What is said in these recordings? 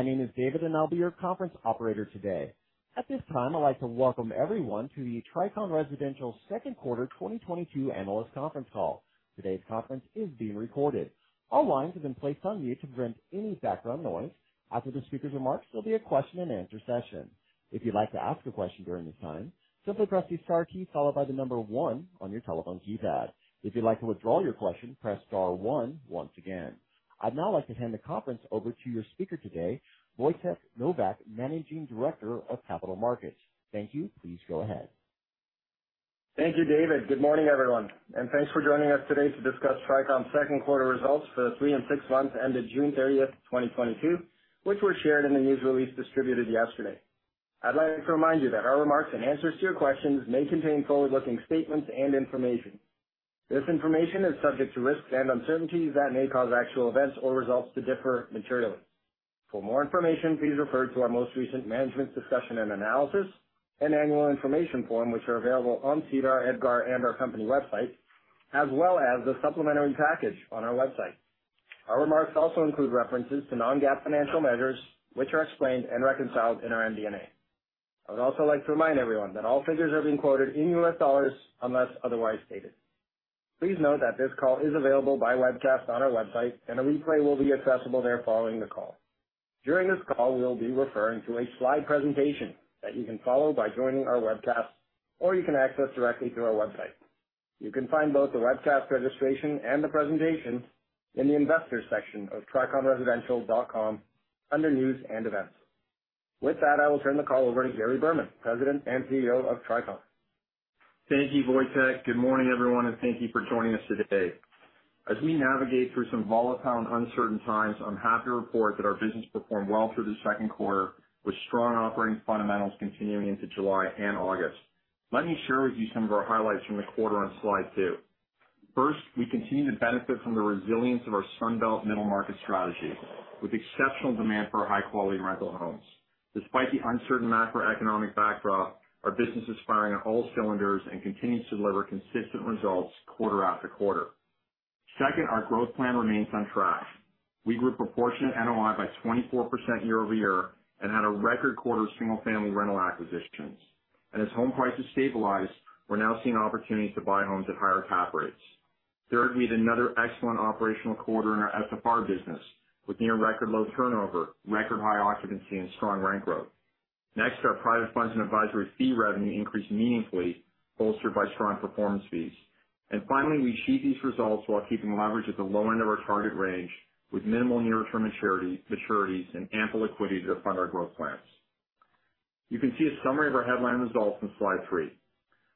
My name is David, and I'll be your conference operator today. At this time, I'd like to welcome everyone to the Tricon Residential Second Quarter 2022 Analyst Conference Call. Today's conference is being recorded. All lines have been placed on mute to prevent any background noise. After the speakers' remarks, there'll be a question-and-answer session. If you'd like to ask a question during this time, simply press the star key followed by the number one on your telephone keypad. If you'd like to withdraw your question, press star one once again. I'd now like to hand the conference over to your speaker today, Wojtek Nowak, Managing Director of Capital Markets. Thank you. Please go ahead. Thank you, David. Good morning, everyone, and thanks for joining us today to discuss Tricon's second quarter results for the three and six months ended June 30, 2022, which were shared in the news release distributed yesterday. I'd like to remind you that our remarks and answers to your questions may contain forward-looking statements and information. This information is subject to risks and uncertainties that may cause actual events or results to differ materially. For more information, please refer to our most recent management discussion and analysis and annual information form, which are available on SEDAR, EDGAR, and our company website, as well as the supplementary package on our website. Our remarks also include references to non-GAAP financial measures, which are explained and reconciled in our MD&A. I would also like to remind everyone that all figures are being quoted in US dollars unless otherwise stated. Please note that this call is available by webcast on our website, and a replay will be accessible there following the call. During this call, we'll be referring to a slide presentation that you can follow by joining our webcast, or you can access directly through our website. You can find both the webcast registration and the presentation in the Investors section of triconresidential.com under News & Events. With that, I will turn the call over to Gary Berman, President and CEO of Tricon. Thank you, Wojtek. Good morning, everyone, and thank you for joining us today. As we navigate through some volatile and uncertain times, I'm happy to report that our business performed well through the second quarter with strong operating fundamentals continuing into July and August. Let me share with you some of our highlights from the quarter on slide 2. First, we continue to benefit from the resilience of our Sunbelt middle market strategy, with exceptional demand for our high-quality rental homes. Despite the uncertain macroeconomic backdrop, our business is firing on all cylinders and continues to deliver consistent results quarter after quarter. Second, our growth plan remains on track. We grew proportionate NOI by 24% year-over-year and had a record quarter of single-family rental acquisitions. As home prices stabilize, we're now seeing opportunities to buy homes at higher cap rates. Third, we had another excellent operational quarter in our SFR business with near record low turnover, record high occupancy, and strong rent growth. Next, our private funds and advisory fee revenue increased meaningfully, bolstered by strong performance fees. Finally, we achieved these results while keeping leverage at the low end of our target range, with minimal near-term maturities, and ample equity to fund our growth plans. You can see a summary of our headline results on slide 3.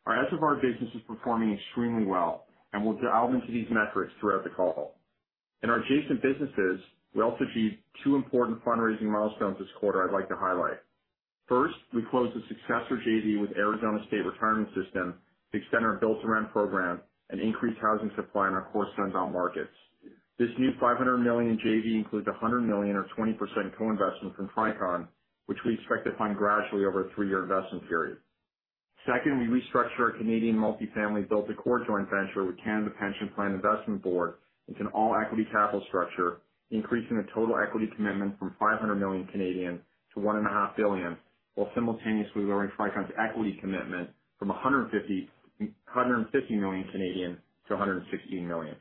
Our SFR business is performing extremely well, and we'll dive into these metrics throughout the call. In our adjacent businesses, we also achieved two important fundraising milestones this quarter I'd like to highlight. First, we closed a successor JV with Arizona State Retirement System to extend our Build to Rent program and increase housing supply in our core Sun Belt markets. This new $500 million JV includes $100 million or 20% co-investment from Tricon, which we expect to fund gradually over a 3-year investment period. Second, we restructured our Canadian multifamily build to core joint venture with Canada Pension Plan Investment Board into an all-equity capital structure, increasing the total equity commitment from 500 million to 1.5 billion, while simultaneously lowering Tricon's equity commitment from 150 million to 160 million.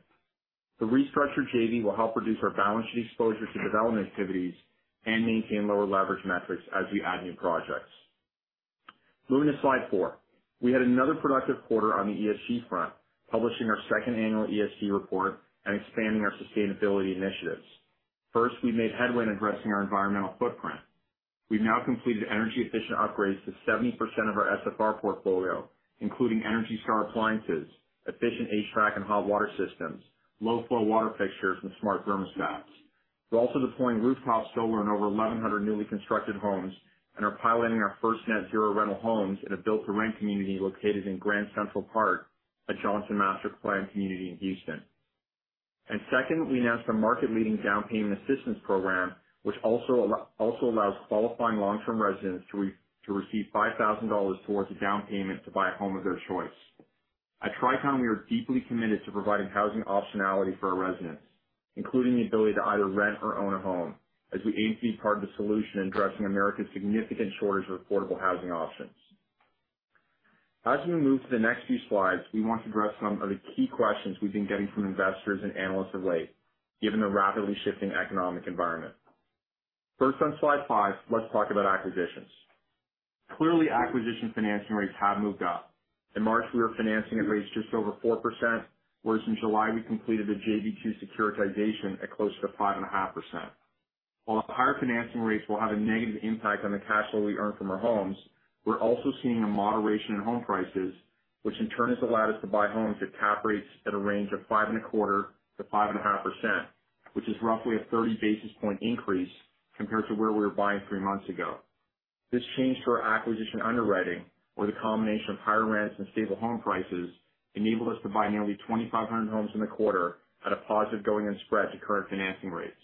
The restructured JV will help reduce our balance sheet exposure to development activities and maintain lower leverage metrics as we add new projects. Moving to slide 4. We had another productive quarter on the ESG front, publishing our second annual ESG report and expanding our sustainability initiatives. First, we made headway in addressing our environmental footprint. We've now completed energy-efficient upgrades to 70% of our SFR portfolio, including ENERGY STAR appliances, efficient HVAC and hot water systems, low-flow water fixtures, and smart thermostats. We're also deploying rooftop solar in over 1,100 newly constructed homes and are piloting our first net-zero rental homes in a build-to-rent community located in Grand Central Park at Johnson Development Master Planned Community in Houston. Second, we announced a market-leading down payment assistance program, which also allows qualifying long-term residents to receive $5,000 towards a down payment to buy a home of their choice. At Tricon, we are deeply committed to providing housing optionality for our residents, including the ability to either rent or own a home, as we aim to be part of the solution in addressing America's significant shortage of affordable housing options. As we move to the next few slides, we want to address some of the key questions we've been getting from investors and analysts of late, given the rapidly shifting economic environment. First, on slide 5, let's talk about acquisitions. Clearly, acquisition financing rates have moved up. In March, we were financing at rates just over 4%, whereas in July, we completed a JV-2 securitization at close to 5.5%. While the higher financing rates will have a negative impact on the cash flow we earn from our homes, we're also seeing a moderation in home prices, which in turn has allowed us to buy homes at cap rates at a range of 5.25%-5.5%, which is roughly a 30 basis point increase compared to where we were buying 3 months ago. This change to our acquisition underwriting, or the combination of higher rents and stable home prices, enabled us to buy nearly 2,500 homes in the quarter at a positive going in spread to current financing rates.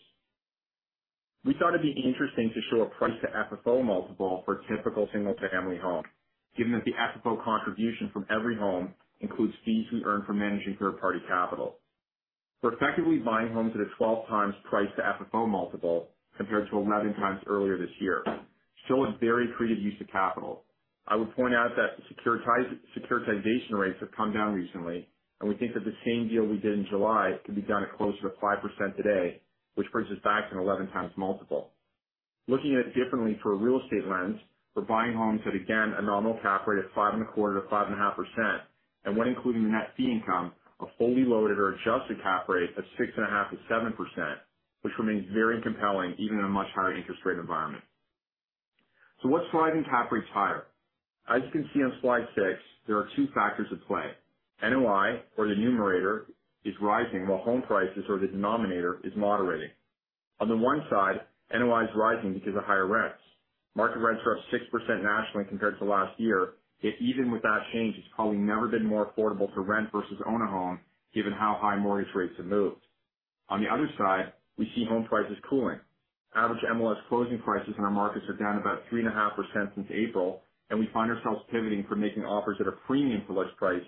We thought it'd be interesting to show a price to FFO multiple for a typical single-family home, given that the FFO contribution from every home includes fees we earn from managing third-party capital. We're effectively buying homes at a 12x price to FFO multiple compared to 11x earlier this year. Still a very creative use of capital. I would point out that securitization rates have come down recently, and we think that the same deal we did in July could be done at closer to 5% today, which brings us back to an 11x multiple. Looking at it differently through a real estate lens, we're buying homes at, again, a nominal cap rate of 5.25%-5.5%. When including the net fee income, a fully loaded or adjusted cap rate of 6.5%-7%, which remains very compelling even in a much higher interest rate environment. What's driving cap rates higher? As you can see on slide 6, there are two factors at play. NOI, or the numerator, is rising while home prices, or the denominator, is moderating. On the one side, NOI is rising because of higher rents. Market rents are up 6% nationally compared to last year. Yet even with that change, it's probably never been more affordable to rent versus own a home given how high mortgage rates have moved. On the other side, we see home prices cooling. Average MLS closing prices in our markets are down about 3.5% since April, and we find ourselves pivoting from making offers at a premium to list price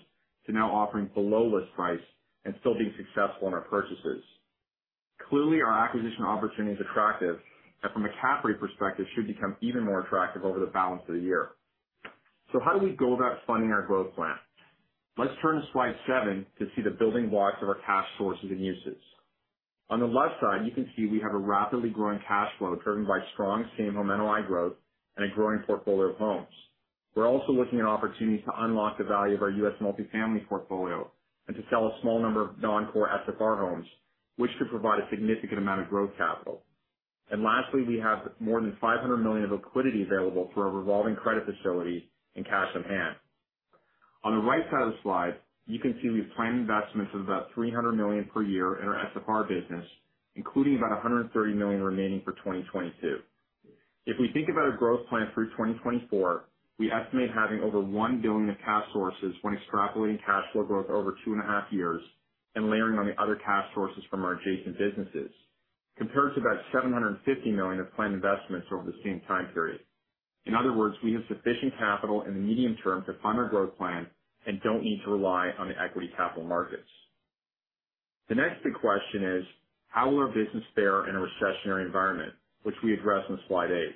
to now offering below list price and still being successful in our purchases. Clearly, our acquisition opportunity is attractive, and from a cap rate perspective should become even more attractive over the balance of the year. How do we go about funding our growth plan? Let's turn to slide 7 to see the building blocks of our cash sources and uses. On the left side, you can see we have a rapidly growing cash flow driven by strong same home NOI growth and a growing portfolio of homes. We're also looking at opportunities to unlock the value of our U.S. multifamily portfolio and to sell a small number of non-core SFR homes, which could provide a significant amount of growth capital. Lastly, we have more than $500 million of liquidity available through our revolving credit facility and cash on hand. On the right side of the slide, you can see we've planned investments of about $300 million per year in our SFR business, including about $130 million remaining for 2022. If we think about a growth plan through 2024, we estimate having over $1 billion of cash sources when extrapolating cash flow growth over two and a half years and layering on the other cash sources from our adjacent businesses. Compared to about $750 million of planned investments over the same time period. In other words, we have sufficient capital in the medium term to fund our growth plan and don't need to rely on the equity capital markets. The next big question is how will our business fare in a recessionary environment, which we address on slide 8.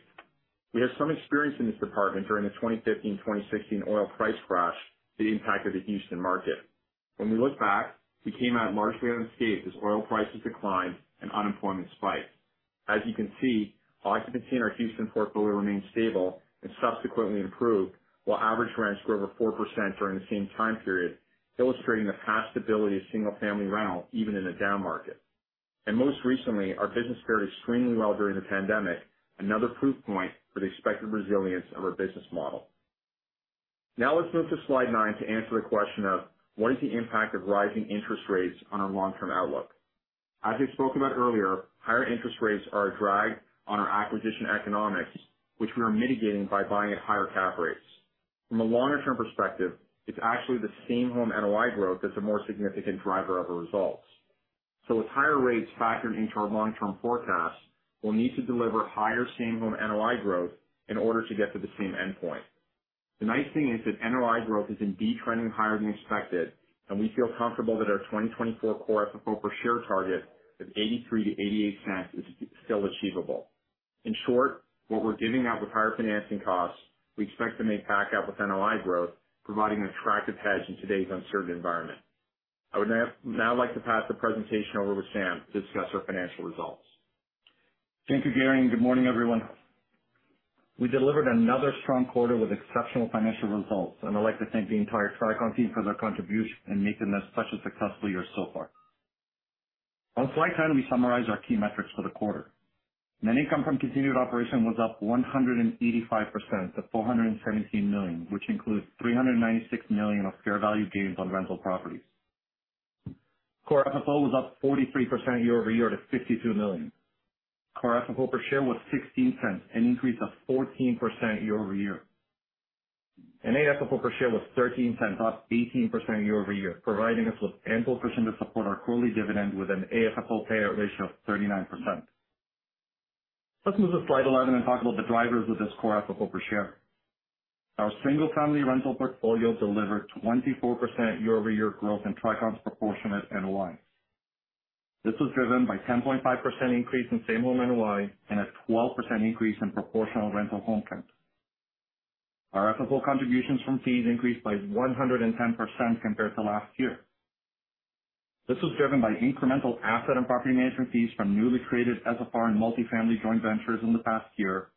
We have some experience in this department during the 2015, 2016 oil price crash that impacted the Houston market. When we look back, we came out largely unscathed as oil prices declined and unemployment spiked. As you can see, occupancy in our Houston portfolio remained stable and subsequently improved, while average rents grew over 4% during the same time period, illustrating the past stability of single-family rental even in a down market. Most recently, our business fared extremely well during the pandemic, another proof point for the expected resilience of our business model. Now let's move to slide 9 to answer the question of: What is the impact of rising interest rates on our long-term outlook? As we spoke about earlier, higher interest rates are a drag on our acquisition economics, which we are mitigating by buying at higher cap rates. From a longer term perspective, it's actually the same home NOI growth that's a more significant driver of the results. With higher rates factored into our long-term forecast, we'll need to deliver higher same home NOI growth in order to get to the same endpoint. The nice thing is that NOI growth has been detrending higher than expected, and we feel comfortable that our 2024 core FFO per share target of $0.83-$0.88 is still achievable. In short, what we're giving up with higher financing costs, we expect to make back up with NOI growth, providing an attractive hedge in today's uncertain environment. I would now like to pass the presentation over to Wissam Francis to discuss our financial results. Thank you, Gary, and good morning, everyone. We delivered another strong quarter with exceptional financial results, and I'd like to thank the entire Tricon team for their contribution in making this such a successful year so far. On slide 10, we summarize our key metrics for the quarter. Net income from continuing operations was up 185% to $417 million, which includes $396 million of fair value gains on rental properties. Core FFO was up 43% year-over-year to $52 million. Core FFO per share was $0.16, an increase of 14% year-over-year. AFFO per share was $0.13, up 18% year-over-year, providing us with ample cushion to support our quarterly dividend with an AFFO payout ratio of 39%. Let's move to slide 11 and talk about the drivers of this core FFO per share. Our single-family rental portfolio delivered 24% year-over-year growth in Tricon's proportionate NOI. This was driven by 10.5% increase in same home NOI and a 12% increase in proportional rental home rents. Our FFO contributions from fees increased by 110% compared to last year. This was driven by incremental asset and property management fees from newly created SFR and multifamily joint ventures in the past year,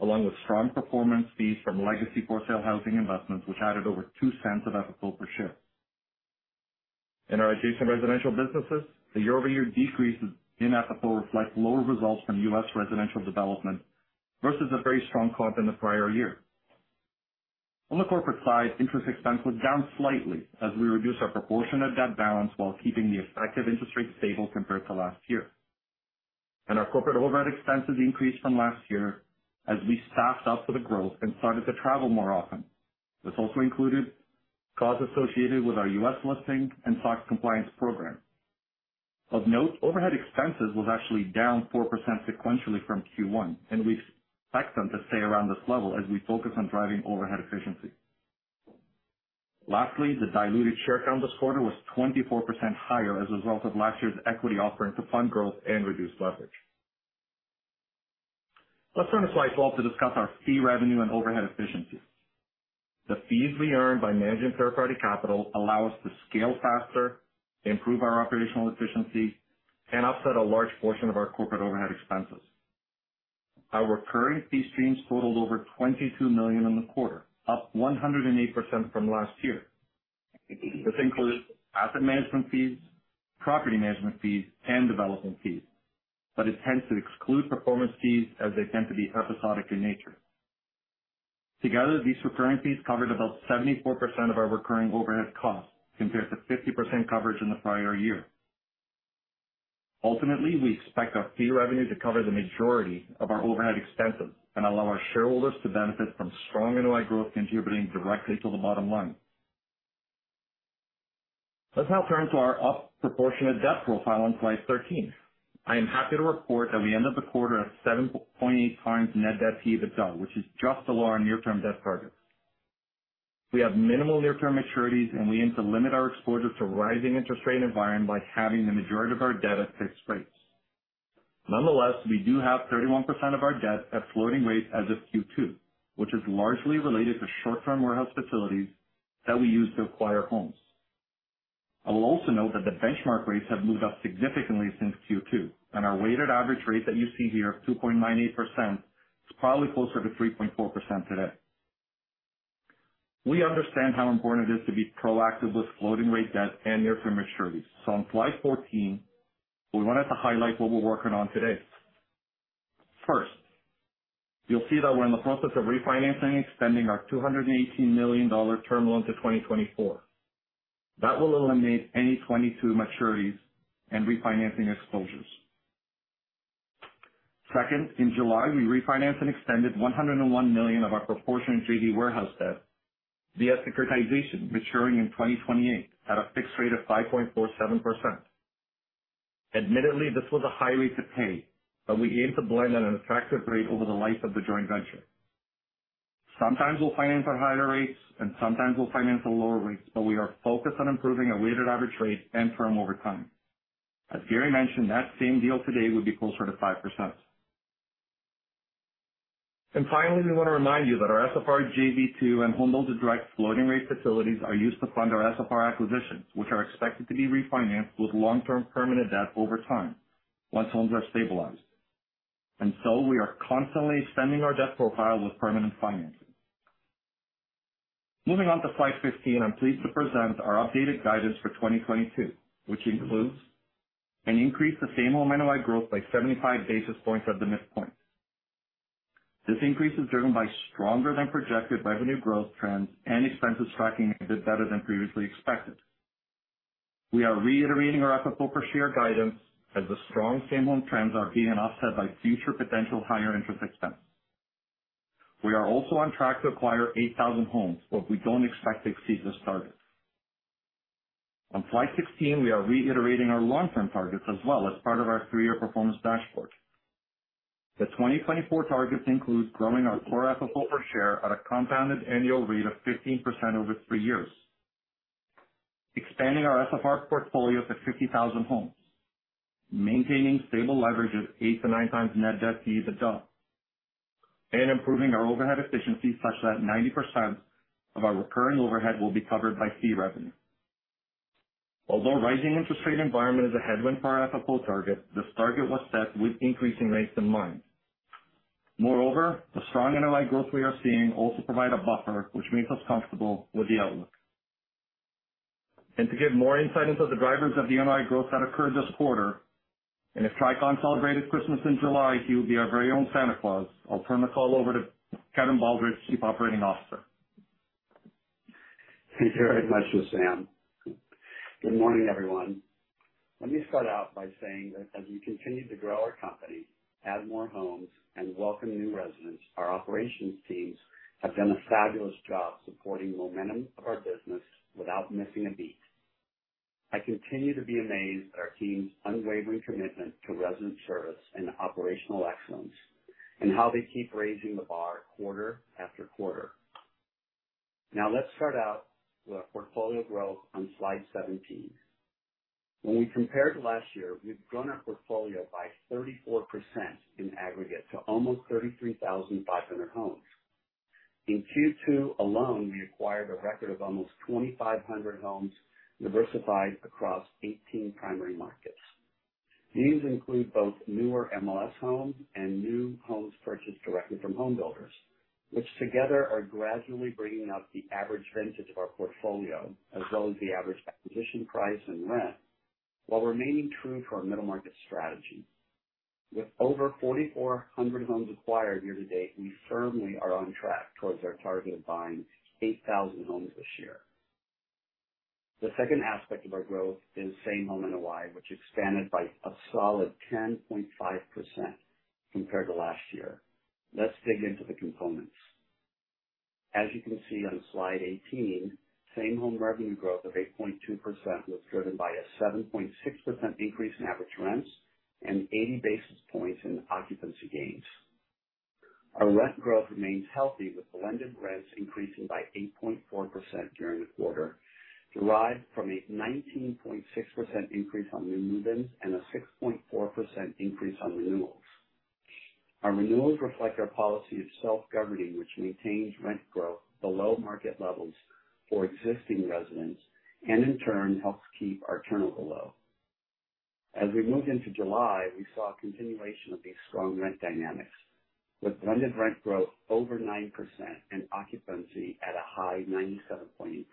along with strong performance fees from legacy for-sale housing investments, which added over $0.02 of FFO per share. In our adjacent residential businesses, the year-over-year decreases in FFO reflect lower results from U.S. residential development versus a very strong comp in the prior year. On the corporate side, interest expense was down slightly as we reduced our proportionate debt balance while keeping the effective interest rate stable compared to last year. Our corporate overhead expenses increased from last year as we staffed up for the growth and started to travel more often. This also included costs associated with our U.S. listing and SOX compliance program. Of note, overhead expenses was actually down 4% sequentially from Q1, and we expect them to stay around this level as we focus on driving overhead efficiency. Lastly, the diluted share count this quarter was 24% higher as a result of last year's equity offering to fund growth and reduce leverage. Let's turn to slide 12 to discuss our fee revenue and overhead efficiency. The fees we earn by managing third-party capital allow us to scale faster, improve our operational efficiency, and offset a large portion of our corporate overhead expenses. Our recurring fee streams totaled over $22 million in the quarter, up 108% from last year. This includes asset management fees, property management fees, and development fees, but it tends to exclude performance fees as they tend to be episodic in nature. Together, these recurring fees covered about 74% of our recurring overhead costs, compared to 50% coverage in the prior year. Ultimately, we expect our fee revenue to cover the majority of our overhead expenses and allow our shareholders to benefit from strong NOI growth contributing directly to the bottom line. Let's now turn to our proportionate debt profile on slide 13. I am happy to report that we ended the quarter at 7.8 times net debt to EBITDA, which is just below our near-term debt targets. We have minimal near-term maturities, and we aim to limit our exposure to rising interest rate environment by having the majority of our debt at fixed rates. Nonetheless, we do have 31% of our debt at floating rates as of Q2, which is largely related to short-term warehouse facilities that we use to acquire homes. I will also note that the benchmark rates have moved up significantly since Q2, and our weighted average rate that you see here of 2.98% is probably closer to 3.4% today. We understand how important it is to be proactive with floating rate debt and near-term maturities. On slide 14, we wanted to highlight what we're working on today. First, you'll see that we're in the process of refinancing and extending our $218 million term loan to 2024. That will eliminate any 2022 maturities and refinancing exposures. Second, in July, we refinanced and extended $101 million of our proportionate JV warehouse debt via securitization maturing in 2028 at a fixed rate of 5.47%. Admittedly, this was a high rate to pay, but we aim to blend at an attractive rate over the life of the joint venture. Sometimes we'll finance at higher rates, and sometimes we'll finance at lower rates, but we are focused on improving our weighted average rate and term over time. As Gary mentioned, that same deal today would be closer to 5%. Finally, we wanna remind you that our SFR JV two and Home Builder Direct floating rate facilities are used to fund our SFR acquisitions, which are expected to be refinanced with long-term permanent debt over time once homes are stabilized. We are constantly extending our debt profile with permanent financing. Moving on to slide 15, I'm pleased to present our updated guidance for 2022, which includes an increase to same home NOI growth by 75 basis points at the midpoint. This increase is driven by stronger than projected revenue growth trends and expenses tracking a bit better than previously expected. We are reiterating our FFO per share guidance as the strong same home trends are being offset by future potential higher interest expense. We are also on track to acquire 8,000 homes, but we don't expect to exceed this target. On slide 16, we are reiterating our long-term targets as well as part of our three-year performance dashboard. The 2024 targets include growing our core FFO per share at a compounded annual rate of 15% over three years, expanding our SFR portfolio to 50,000 homes, maintaining stable leverage of 8x-9x net debt to EBITDA, and improving our overhead efficiency such that 90% of our recurring overhead will be covered by fee revenue. Although rising interest rate environment is a headwind for our FFO target, this target was set with increasing rates in mind. Moreover, the strong NOI growth we are seeing also provide a buffer which makes us comfortable with the outlook. To give more insight into the drivers of the NOI growth that occurred this quarter, and if Tricon celebrated Christmas in July, he would be our very own Santa Claus. I'll turn the call over to Kevin Baldridge, Chief Operating Officer. Thank you very much, Wissam. Good morning, everyone. Let me start out by saying that as we continue to grow our company, add more homes, and welcome new residents, our operations teams have done a fabulous job supporting the momentum of our business without missing a beat. I continue to be amazed at our team's unwavering commitment to resident service and operational excellence and how they keep raising the bar quarter after quarter. Now let's start out with our portfolio growth on slide 17. When we compare to last year, we've grown our portfolio by 34% in aggregate to almost 33,500 homes. In Q2 alone, we acquired a record of almost 2,500 homes diversified across 18 primary markets. These include both newer MLS homes and new homes purchased directly from homebuilders, which together are gradually bringing up the average vintage of our portfolio as well as the average acquisition price and rent while remaining true to our middle market strategy. With over 4,400 homes acquired year to date, we firmly are on track towards our target of buying 8,000 homes this year. The second aspect of our growth is same home NOI, which expanded by a solid 10.5% compared to last year. Let's dig into the components. As you can see on slide 18, same home revenue growth of 8.2% was driven by a 7.6% increase in average rents and 80 basis points in occupancy gains. Our rent growth remains healthy, with blended rents increasing by 8.4% during the quarter, derived from a 19.6% increase on new move-ins and a 6.4% increase on renewals. Our renewals reflect our policy of self-governing, which maintains rent growth below market levels for existing residents and in turn helps keep our turnover low. As we moved into July, we saw a continuation of these strong rent dynamics with blended rent growth over 9% and occupancy at a high 97.8%.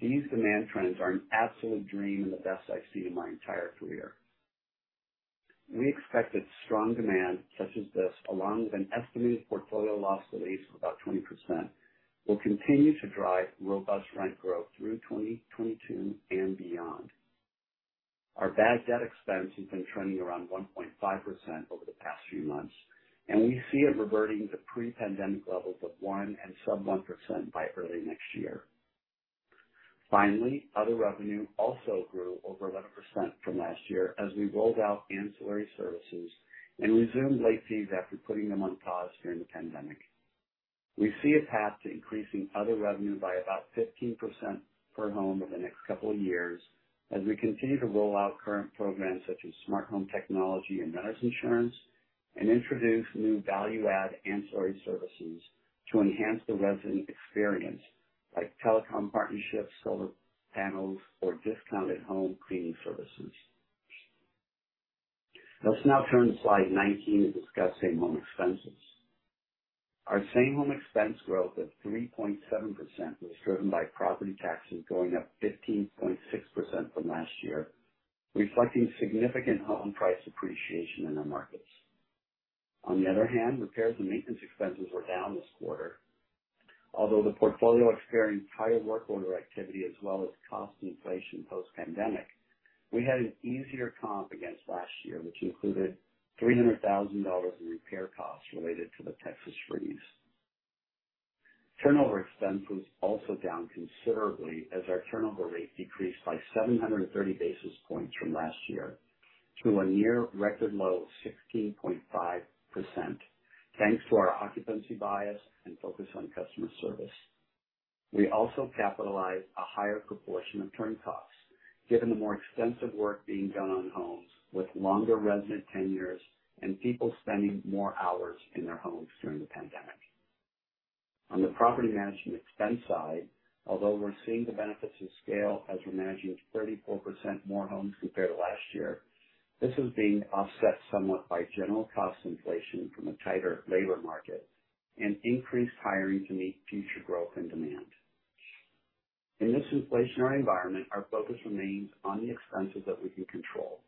These demand trends are an absolute dream and the best I've seen in my entire career. We expect that strong demand such as this, along with an estimated portfolio loss release of about 20%, will continue to drive robust rent growth through 2022 and beyond. Our bad debt expense has been trending around 1.5% over the past few months, and we see it reverting to pre-pandemic levels of 1% and sub 1% by early next year. Finally, other revenue also grew over 11% from last year as we rolled out ancillary services and resumed late fees after putting them on pause during the pandemic. We see a path to increasing other revenue by about 15% per home over the next couple of years as we continue to roll out current programs such as smart home technology and renter's insurance and introduce new value-add ancillary services to enhance the resident experience, like telecom partnerships, solar panels, or discounted home cleaning services. Let's now turn to slide 19 to discuss same-home expenses. Our same-home expense growth of 3.7% was driven by property taxes going up 15.6% from last year, reflecting significant home price appreciation in our markets. On the other hand, repairs and maintenance expenses were down this quarter. Although the portfolio experienced higher work order activity as well as cost inflation post-pandemic, we had an easier comp against last year, which included $300,000 in repair costs related to the Texas freeze. Turnover expense was also down considerably as our turnover rate decreased by 730 basis points from last year to a near record low of 16.5%, thanks to our occupancy bias and focus on customer service. We also capitalized a higher proportion of turn costs given the more extensive work being done on homes with longer resident tenures and people spending more hours in their homes during the pandemic. On the property management expense side, although we're seeing the benefits of scale as we're managing 34% more homes compared to last year, this is being offset somewhat by general cost inflation from a tighter labor market and increased hiring to meet future growth and demand. In this inflationary environment, our focus remains on the expenses that we can control.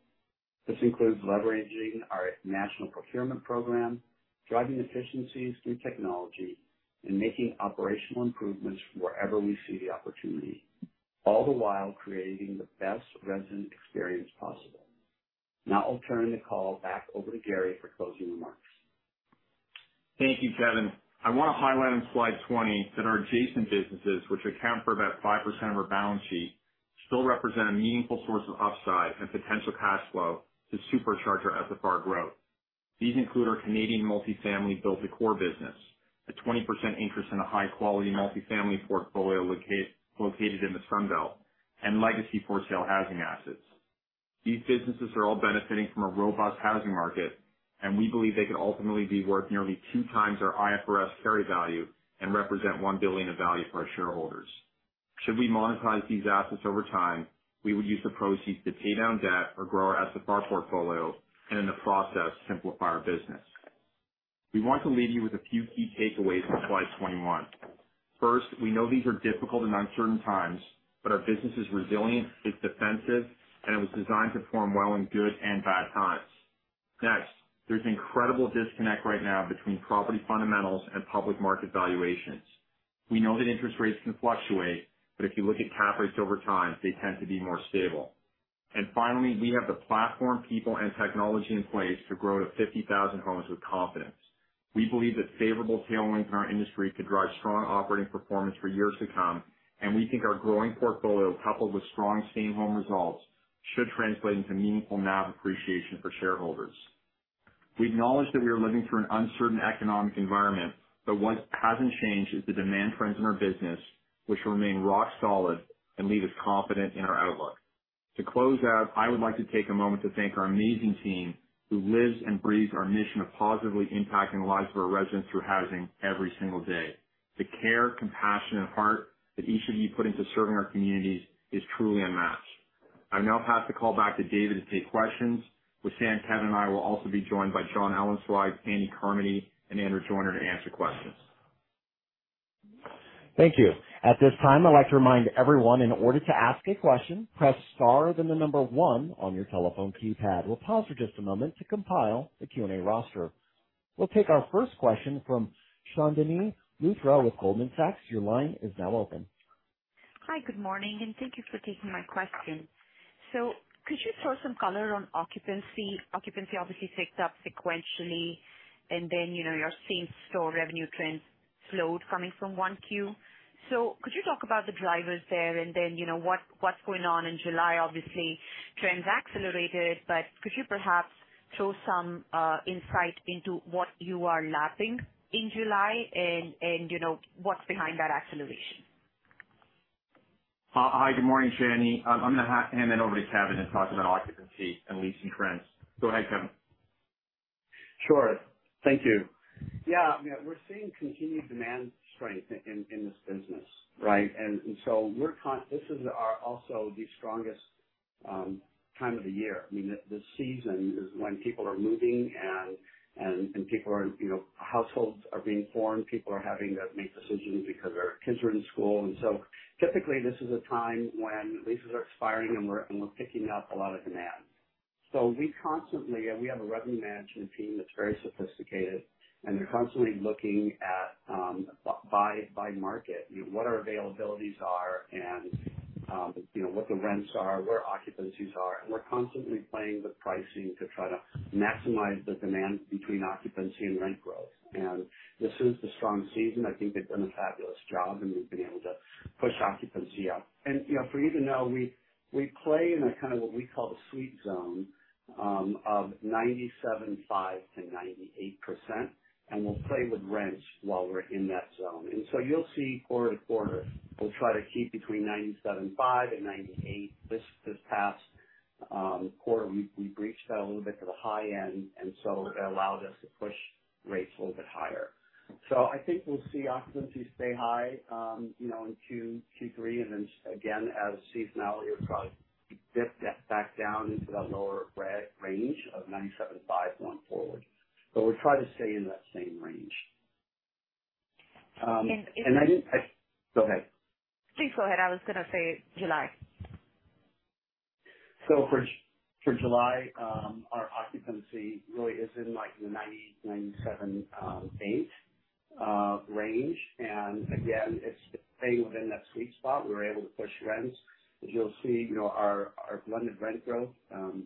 This includes leveraging our national procurement program, driving efficiencies through technology, and making operational improvements wherever we see the opportunity, all the while creating the best resident experience possible. Now I'll turn the call back over to Gary for closing remarks. Thank you, Kevin. I want to highlight on slide 20 that our adjacent businesses, which account for about 5% of our balance sheet, still represent a meaningful source of upside and potential cash flow to supercharge our SFR growth. These include our Canadian multifamily build-to-core business, a 20% interest in a high-quality multifamily portfolio located in the Sun Belt, and legacy for-sale housing assets. These businesses are all benefiting from a robust housing market, and we believe they could ultimately be worth nearly 2x our IFRS carry value and represent $1 billion in value for our shareholders. Should we monetize these assets over time, we would use the proceeds to pay down debt or grow our SFR portfolio and, in the process, simplify our business. We want to leave you with a few key takeaways on slide 21. First, we know these are difficult and uncertain times, but our business is resilient, it's defensive, and it was designed to perform well in good and bad times. Next, there's incredible disconnect right now between property fundamentals and public market valuations. We know that interest rates can fluctuate, but if you look at cap rates over time, they tend to be more stable. Finally, we have the platform, people, and technology in place to grow to 50,000 homes with confidence. We believe that favorable tailwinds in our industry could drive strong operating performance for years to come, and we think our growing portfolio, coupled with strong same home results, should translate into meaningful NAV appreciation for shareholders. We acknowledge that we are living through an uncertain economic environment, but what hasn't changed is the demand trends in our business, which remain rock solid and leave us confident in our outlook. To close out, I would like to take a moment to thank our amazing team who lives and breathes our mission of positively impacting the lives of our residents through housing every single day. The care, compassion, and heart that each of you put into serving our communities is truly unmatched. I'll now pass the call back to David to take questions, which then Kevin and I will also be joined by Jonathan Ellenzweig, Andy Carmody, and Andrew Joyner to answer questions. Thank you. At this time, I'd like to remind everyone in order to ask a question, press star, then the number one on your telephone keypad. We'll pause for just a moment to compile the Q&A roster. We'll take our first question from Chandni Luthra with Goldman Sachs. Your line is now open. Hi, good morning, and thank you for taking my question. Could you throw some color on occupancy? Occupancy obviously ticked up sequentially, and then, you know, you're seeing same-store revenue trends slowed coming from 1Q. Could you talk about the drivers there and then, you know, what's going on in July? Obviously trends accelerated, but could you perhaps throw some insight into what you are lapping in July and you know, what's behind that acceleration? Hi, good morning, Chandni Luthra. I'm gonna hand it over to Kevin to talk about occupancy and leasing trends. Go ahead, Kevin. Sure. Thank you. Yeah. Yeah. We're seeing continued demand strength in this business, right? We're also the strongest time of the year. I mean, the season is when people are moving and people are, you know, households are being formed. People are having to make decisions because their kids are in school. Typically this is a time when leases are expiring, and we're picking up a lot of demand. We constantly have a revenue management team that's very sophisticated, and they're constantly looking at by market, you know, what our availabilities are and you know, what the rents are, where occupancies are. We're constantly playing with pricing to try to maximize the demand between occupancy and rent growth. This is the strong season. I think they've done a fabulous job, and we've been able to push occupancy up. You know, for you to know, we play in a kind of what we call the sweet zone of 97.5%-98%, and we'll play with rents while we're in that zone. You'll see quarter to quarter, we'll try to keep between 97.5% and 98%. This past quarter, we breached that a little bit to the high end, and so it allowed us to push rates a little bit higher. I think we'll see occupancy stay high, you know, in Q3, and then again, as seasonality, it'll probably dip back down into that lower range of 97.5% going forward. We'll try to stay in that same range. I think And, and- Go ahead. Please go ahead. I was gonna say July. For July, our occupancy really is in like the 97-98 range. Again, it's staying within that sweet spot. We were able to push rents. As you'll see, you know, our blended rent growth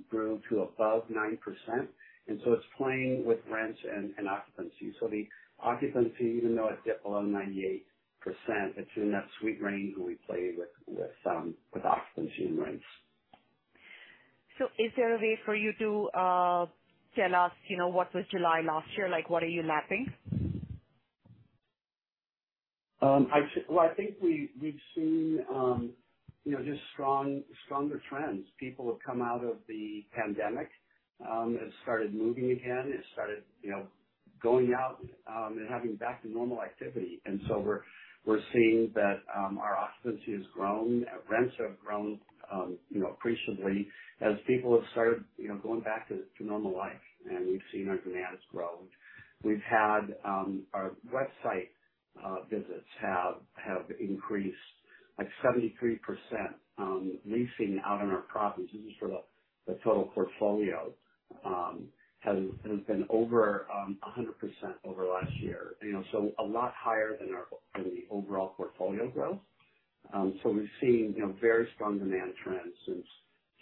grew to above 9%. It's playing with rents and occupancy. The occupancy, even though it dipped below 98%, it's in that sweet range where we play with occupancy and rents. Is there a way for you to tell us, you know, what was July last year? Like, what are you lapping? Well, I think we've seen, you know, just stronger trends. People have come out of the pandemic and started moving again and, you know, going out and having back to normal activity. We're seeing that our occupancy has grown, rents have grown, you know, appreciably as people have started, you know, going back to normal life. We've seen our demand has grown. We've had our website visits have increased like 73%. Leasing out on our properties, this is for the total portfolio, has been over 100% over last year. You know, so a lot higher than the overall portfolio growth. We've seen, you know, very strong demand trends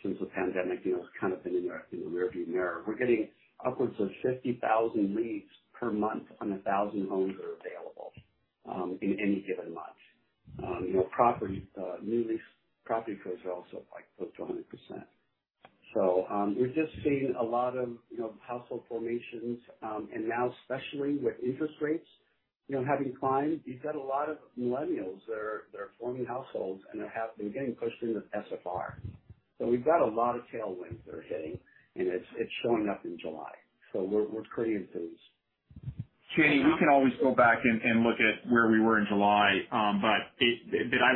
since the pandemic, you know, has kind of been in the rearview mirror. We're getting upwards of 50,000 leads per month on 1,000 homes that are available in any given month. You know, property new lease property tours are also up, like close to 100%. We're just seeing a lot of, you know, household formations, and now especially with interest rates, you know, having climbed, you've got a lot of millennials that are forming households and are being pushed into SFR. We've got a lot of tailwinds that are hitting, and it's showing up in July. We're pretty enthused. Chandni Luthra, we can always go back and look at where we were in July. I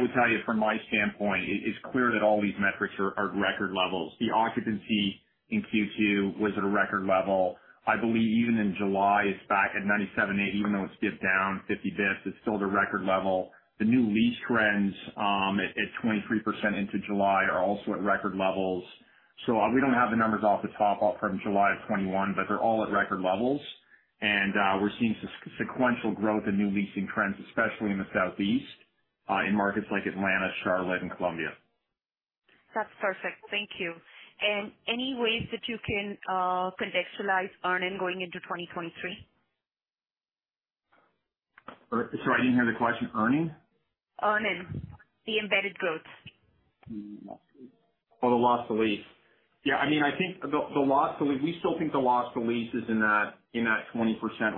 would tell you from my standpoint, it is clear that all these metrics are at record levels. The occupancy in Q2 was at a record level. I believe even in July it's back at 97.8%, even though it's dipped down 50 basis points, it's still the record level. The new lease trends at 23% into July are also at record levels. We don't have the numbers off the top all from July of 2021, but they're all at record levels. We're seeing sequential growth in new leasing trends, especially in the Southeast, in markets like Atlanta, Charlotte, and Columbia. That's perfect. Thank you. Any ways that you can contextualize earnings going into 2023? Sorry, I didn't hear the question. Earning? Earnings. The embedded growth. Oh, the loss to lease. Yeah, I mean, I think the loss to lease, we still think the loss to lease is in that 20%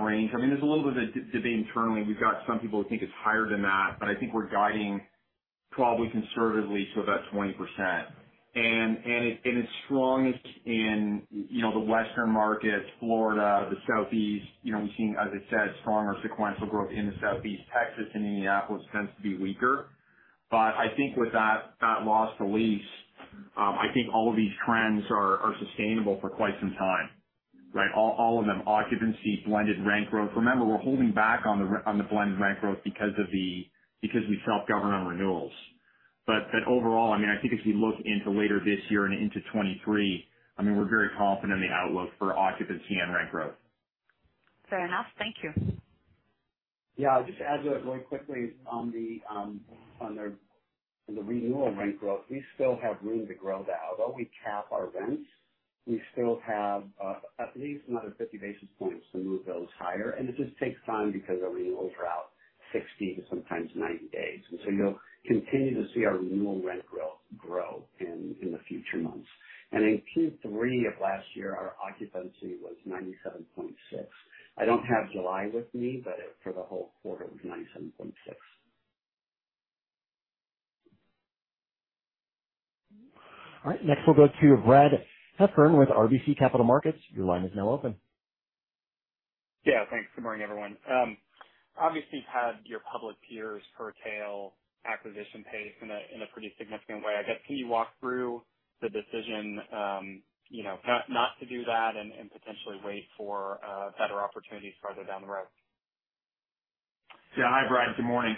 range. I mean, there's a little bit of debate internally. We've got some people who think it's higher than that, but I think we're guiding probably conservatively to about 20%. It's strongest in, you know, the western markets, Florida, the Southeast. You know, we've seen, as I said, stronger sequential growth in the Southeast, Texas, and Indianapolis tends to be weaker. But I think with that loss to lease, I think all of these trends are sustainable for quite some time, right? All of them. Occupancy, blended rent growth. Remember, we're holding back on the blended rent growth because we self-govern on renewals. Overall, I mean, I think if you look into later this year and into 2023, I mean, we're very confident in the outlook for occupancy and rent growth. Fair enough. Thank you. Yeah, I'll just add to that really quickly on the- The renewal rent growth, we still have room to grow that. Although we cap our rents, we still have at least another 50 basis points to move those higher. It just takes time because our renewals are out 60 to sometimes 90 days. You'll continue to see our renewal rent grow in the future months. In Q3 of last year, our occupancy was 97.6%. I don't have July with me, but for the whole quarter it was 97.6%. All right, next we'll go to Brad Heffern with RBC Capital Markets. Your line is now open. Yeah, thanks. Good morning, everyone. Obviously you've had your public peers curtail acquisition pace in a pretty significant way. I guess, can you walk through the decision, you know, not to do that and potentially wait for better opportunities further down the road? Yeah. Hi, Brad. Good morning.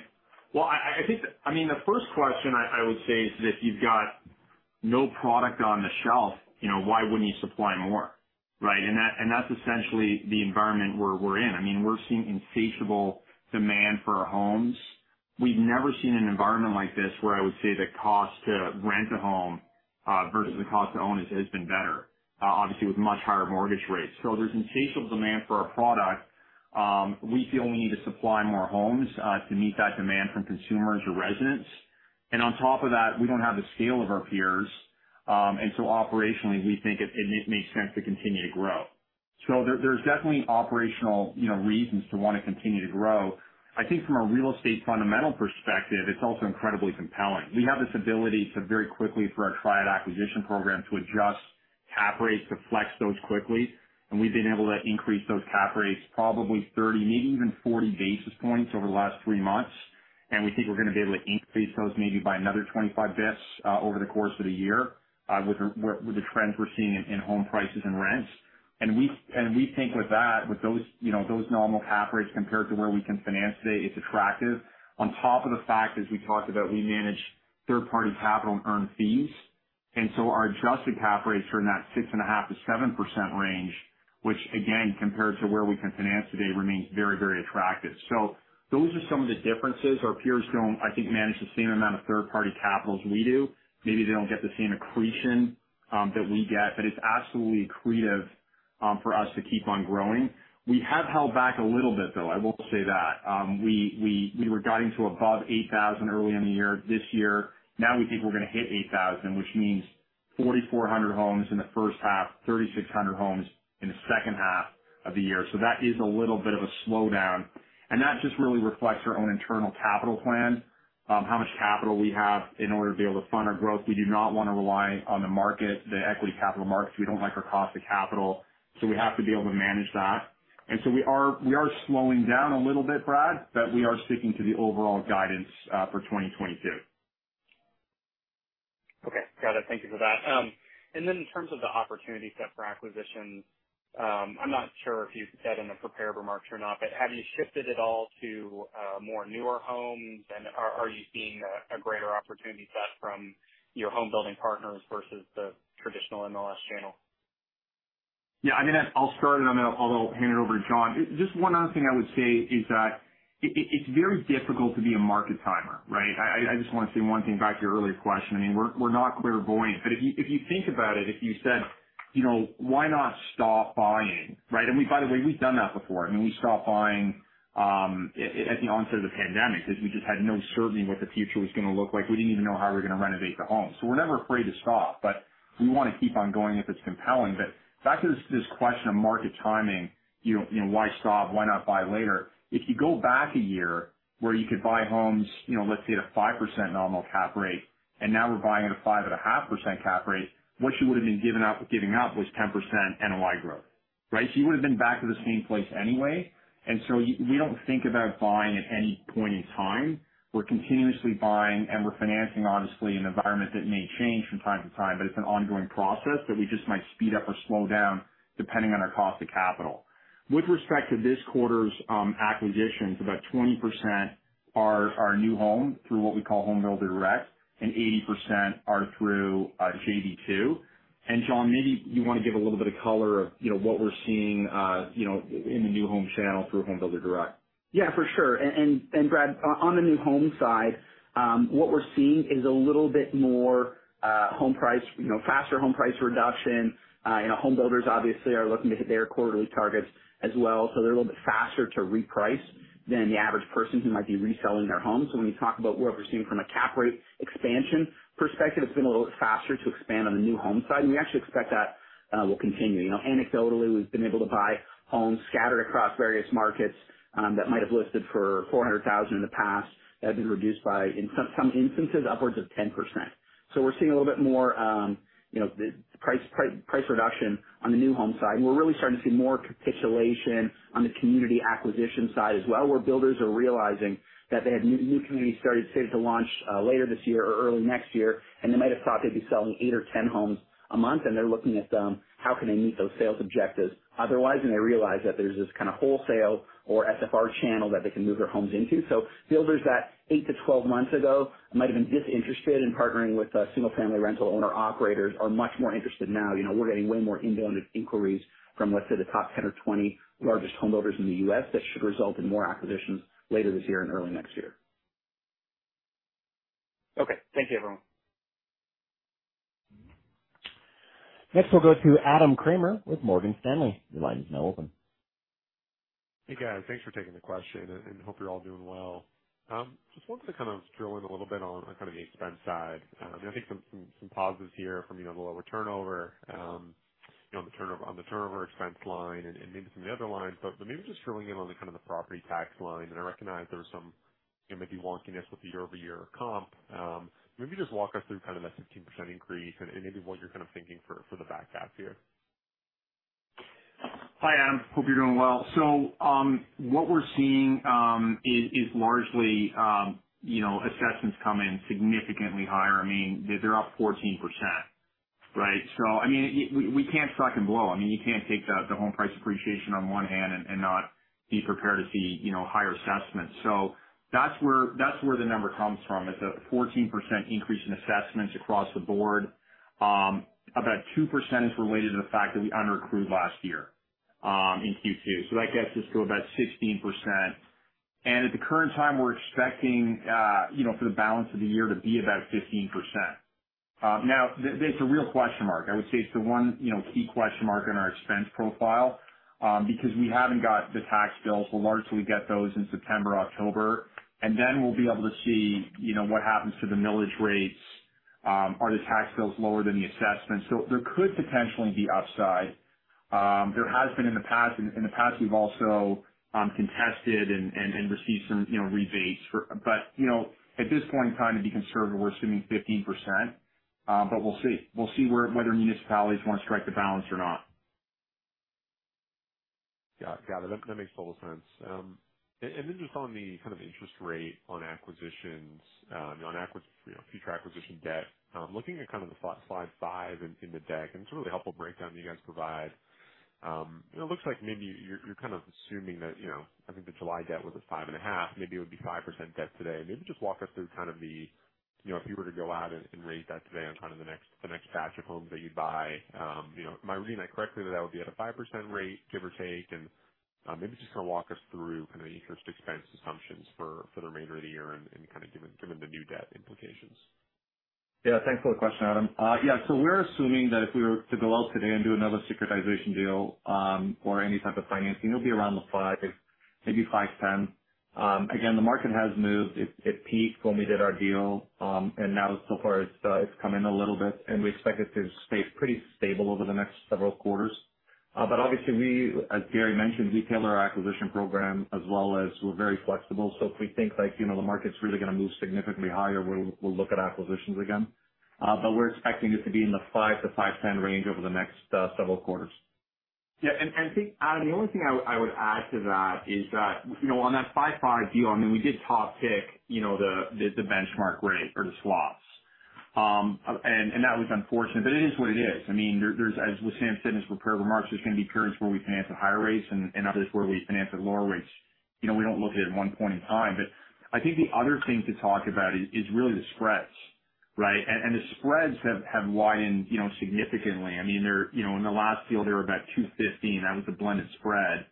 Well, I think, I mean, the first question I would say is that if you've got no product on the shelf, you know, why wouldn't you supply more, right? That's essentially the environment we're in. I mean, we're seeing insatiable demand for our homes. We've never seen an environment like this where I would say the cost to rent a home versus the cost to own has been better, obviously with much higher mortgage rates. There's insatiable demand for our product. We feel we need to supply more homes to meet that demand from consumers or residents. On top of that, we don't have the scale of our peers. Operationally, we think it makes sense to continue to grow. There's definitely operational, you know, reasons to wanna continue to grow. I think from a real estate fundamental perspective, it's also incredibly compelling. We have this ability to very quickly, through our TriAD acquisition program, to adjust cap rates to flex those quickly. We've been able to increase those cap rates probably 30, maybe even 40 basis points over the last three months. We think we're gonna be able to increase those maybe by another 25 basis points over the course of the year with the trends we're seeing in home prices and rents. We think with that, with those, you know, those normal cap rates compared to where we can finance today, it's attractive. On top of the fact, as we talked about, we manage third party capital and earn fees, and so our adjusted cap rates are in that 6.5%-7% range, which again, compared to where we can finance today, remains very, very attractive. Those are some of the differences. Our peers don't, I think, manage the same amount of third party capital as we do. Maybe they don't get the same accretion that we get, but it's absolutely accretive for us to keep on growing. We have held back a little bit though, I will say that. We were guiding to above 8,000 early in the year, this year. Now we think we're gonna hit 8,000, which means 4,400 homes in the first half, 3,600 homes in the second half of the year. That is a little bit of a slowdown. That just really reflects our own internal capital plan, how much capital we have in order to be able to fund our growth. We do not wanna rely on the market, the equity capital markets. We don't like our cost of capital, so we have to be able to manage that. We are slowing down a little bit, Brad, but we are sticking to the overall guidance for 2022. Okay. Got it. Thank you for that. In terms of the opportunity set for acquisitions, I'm not sure if you said in the prepared remarks or not, but have you shifted at all to more newer homes? Are you seeing a greater opportunity set from your home building partners versus the traditional MLS channel? Yeah, I mean, that's. I'll start and then I'll hand it over to John. Just one other thing I would say is that it's very difficult to be a market timer, right? I just wanna say one thing back to your earlier question. I mean, we're not clairvoyant. But if you think about it, if you said, you know, "Why not stop buying?" Right? By the way, we've done that before. I mean, we stopped buying at the onset of the pandemic because we just had no certainty what the future was gonna look like. We didn't even know how we were gonna renovate the home. We're never afraid to stop, but we wanna keep on going if it's compelling. Back to this question of market timing, you know, why stop? Why not buy later? If you go back a year where you could buy homes, you know, let's say at a 5% nominal cap rate, and now we're buying at a 5.5% cap rate, what you would've been given up, giving up was 10% NOI growth, right? You would've been back to the same place anyway. We don't think about buying at any point in time. We're continuously buying and we're financing, honestly, in an environment that may change from time to time, but it's an ongoing process that we just might speed up or slow down depending on our cost of capital. With respect to this quarter's acquisitions, about 20% are new home through what we call Home Builder Direct, and 80% are through JV2. John, maybe you wanna give a little bit of color on, you know, what we're seeing, you know, in the new home channel through Home Builder Direct. Yeah, for sure. Brad, on the new home side, what we're seeing is a little bit more home price, you know, faster home price reduction. You know, home builders obviously are looking to hit their quarterly targets as well, so they're a little bit faster to reprice than the average person who might be reselling their home. When you talk about what we're seeing from a cap rate expansion perspective, it's been a little bit faster to expand on the new home side, and we actually expect that will continue. You know, anecdotally, we've been able to buy homes scattered across various markets, that might have listed for $400,000 in the past, that have been reduced by, in some instances, upwards of 10%. We're seeing a little bit more you know the price reduction on the new home side. We're really starting to see more capitulation on the community acquisition side as well, where builders are realizing that they have new communities started say to launch later this year or early next year. They might have thought they'd be selling 8 or 10 homes a month, and they're looking at how can they meet those sales objectives otherwise. They realize that there's this kinda wholesale or SFR channel that they can move their homes into. Builders that 8-12 months ago might have been disinterested in partnering with single-family rental owner-operators are much more interested now. You know, we're getting way more inbound inquiries from, let's say, the top 10 or 20 largest home builders in the U.S. that should result in more acquisitions later this year and early next year. Okay. Thank you, everyone. Next we'll go to Adam Kramer with Morgan Stanley. Your line is now open. Hey, guys. Thanks for taking the question, and hope you're all doing well. Just wanted to kind of drill in a little bit on kind of the expense side. You know, I think some positives here from you know, the lower turnover, you know, on the turnover expense line and maybe some of the other lines. Maybe just drilling in on kind of the property tax line, and I recognize there was some you know, maybe wonkiness with the year-over-year comp. Maybe just walk us through kind of that 15% increase and maybe what you're kind of thinking for the back half here. Hi, Adam. Hope you're doing well. What we're seeing is largely you know, assessments come in significantly higher. I mean, they're up 14%, right? I mean, we can't suck and blow. I mean, you can't take the home price appreciation on one hand and not be prepared to see you know, higher assessments. That's where the number comes from. It's a 14% increase in assessments across the board. About 2% is related to the fact that we under-accrued last year in Q2. That gets us to about 16%. At the current time we're expecting you know, for the balance of the year to be about 15%. Now that's a real question mark. I would say it's the one, you know, key question mark in our expense profile, because we haven't got the tax bill. Largely we get those in September, October, and then we'll be able to see, you know, what happens to the millage rates, are the tax bills lower than the assessments. There could potentially be upside. There has been in the past, and in the past we've also contested and received some, you know, rebates. At this point in time, to be conservative, we're assuming 15%. We'll see. We'll see whether municipalities wanna strike the balance or not. Got it. That makes total sense. And then just on the kind of interest rate on acquisitions, you know, on future acquisition debt, looking at kind of the slide five in the deck, and it's a really helpful breakdown you guys provide, it looks like maybe you're kind of assuming that, you know, I think the July debt was at 5.5, maybe it would be 5% debt today. Maybe just walk us through kind of the, you know, if you were to go out and raise that today on kind of the next batch of homes that you'd buy, you know, am I reading that correctly, that would be at a 5% rate, give or take? Maybe just kind of walk us through kind of the interest expense assumptions for the remainder of the year and kind of given the new debt implications. Yeah, thanks for the question, Adam. Yeah, so we're assuming that if we were to go out today and do another securitization deal, or any type of financing, it'll be around the 5, maybe 5.10. Again, the market has moved. It peaked when we did our deal, and now so far it's come in a little bit and we expect it to stay pretty stable over the next several quarters. But obviously we, as Gary mentioned, we tailor our acquisition program as well as we're very flexible. So if we think, like, you know, the market's really gonna move significantly higher, we'll look at acquisitions again. But we're expecting it to be in the 5-5.10 range over the next several quarters. I think, Adam, the only thing I would add to that is that, you know, on that 5.5 deal, I mean, we did top the benchmark rate for the swaps. That was unfortunate, but it is what it is. I mean, there's as what Sam said in his prepared remarks, there's gonna be periods where we finance at higher rates and others where we finance at lower rates. You know, we don't look at it in one point in time. I think the other thing to talk about is really the spreads, right? The spreads have widened, you know, significantly. I mean, they're, you know, in the last deal they were about 215, that was a blended spread.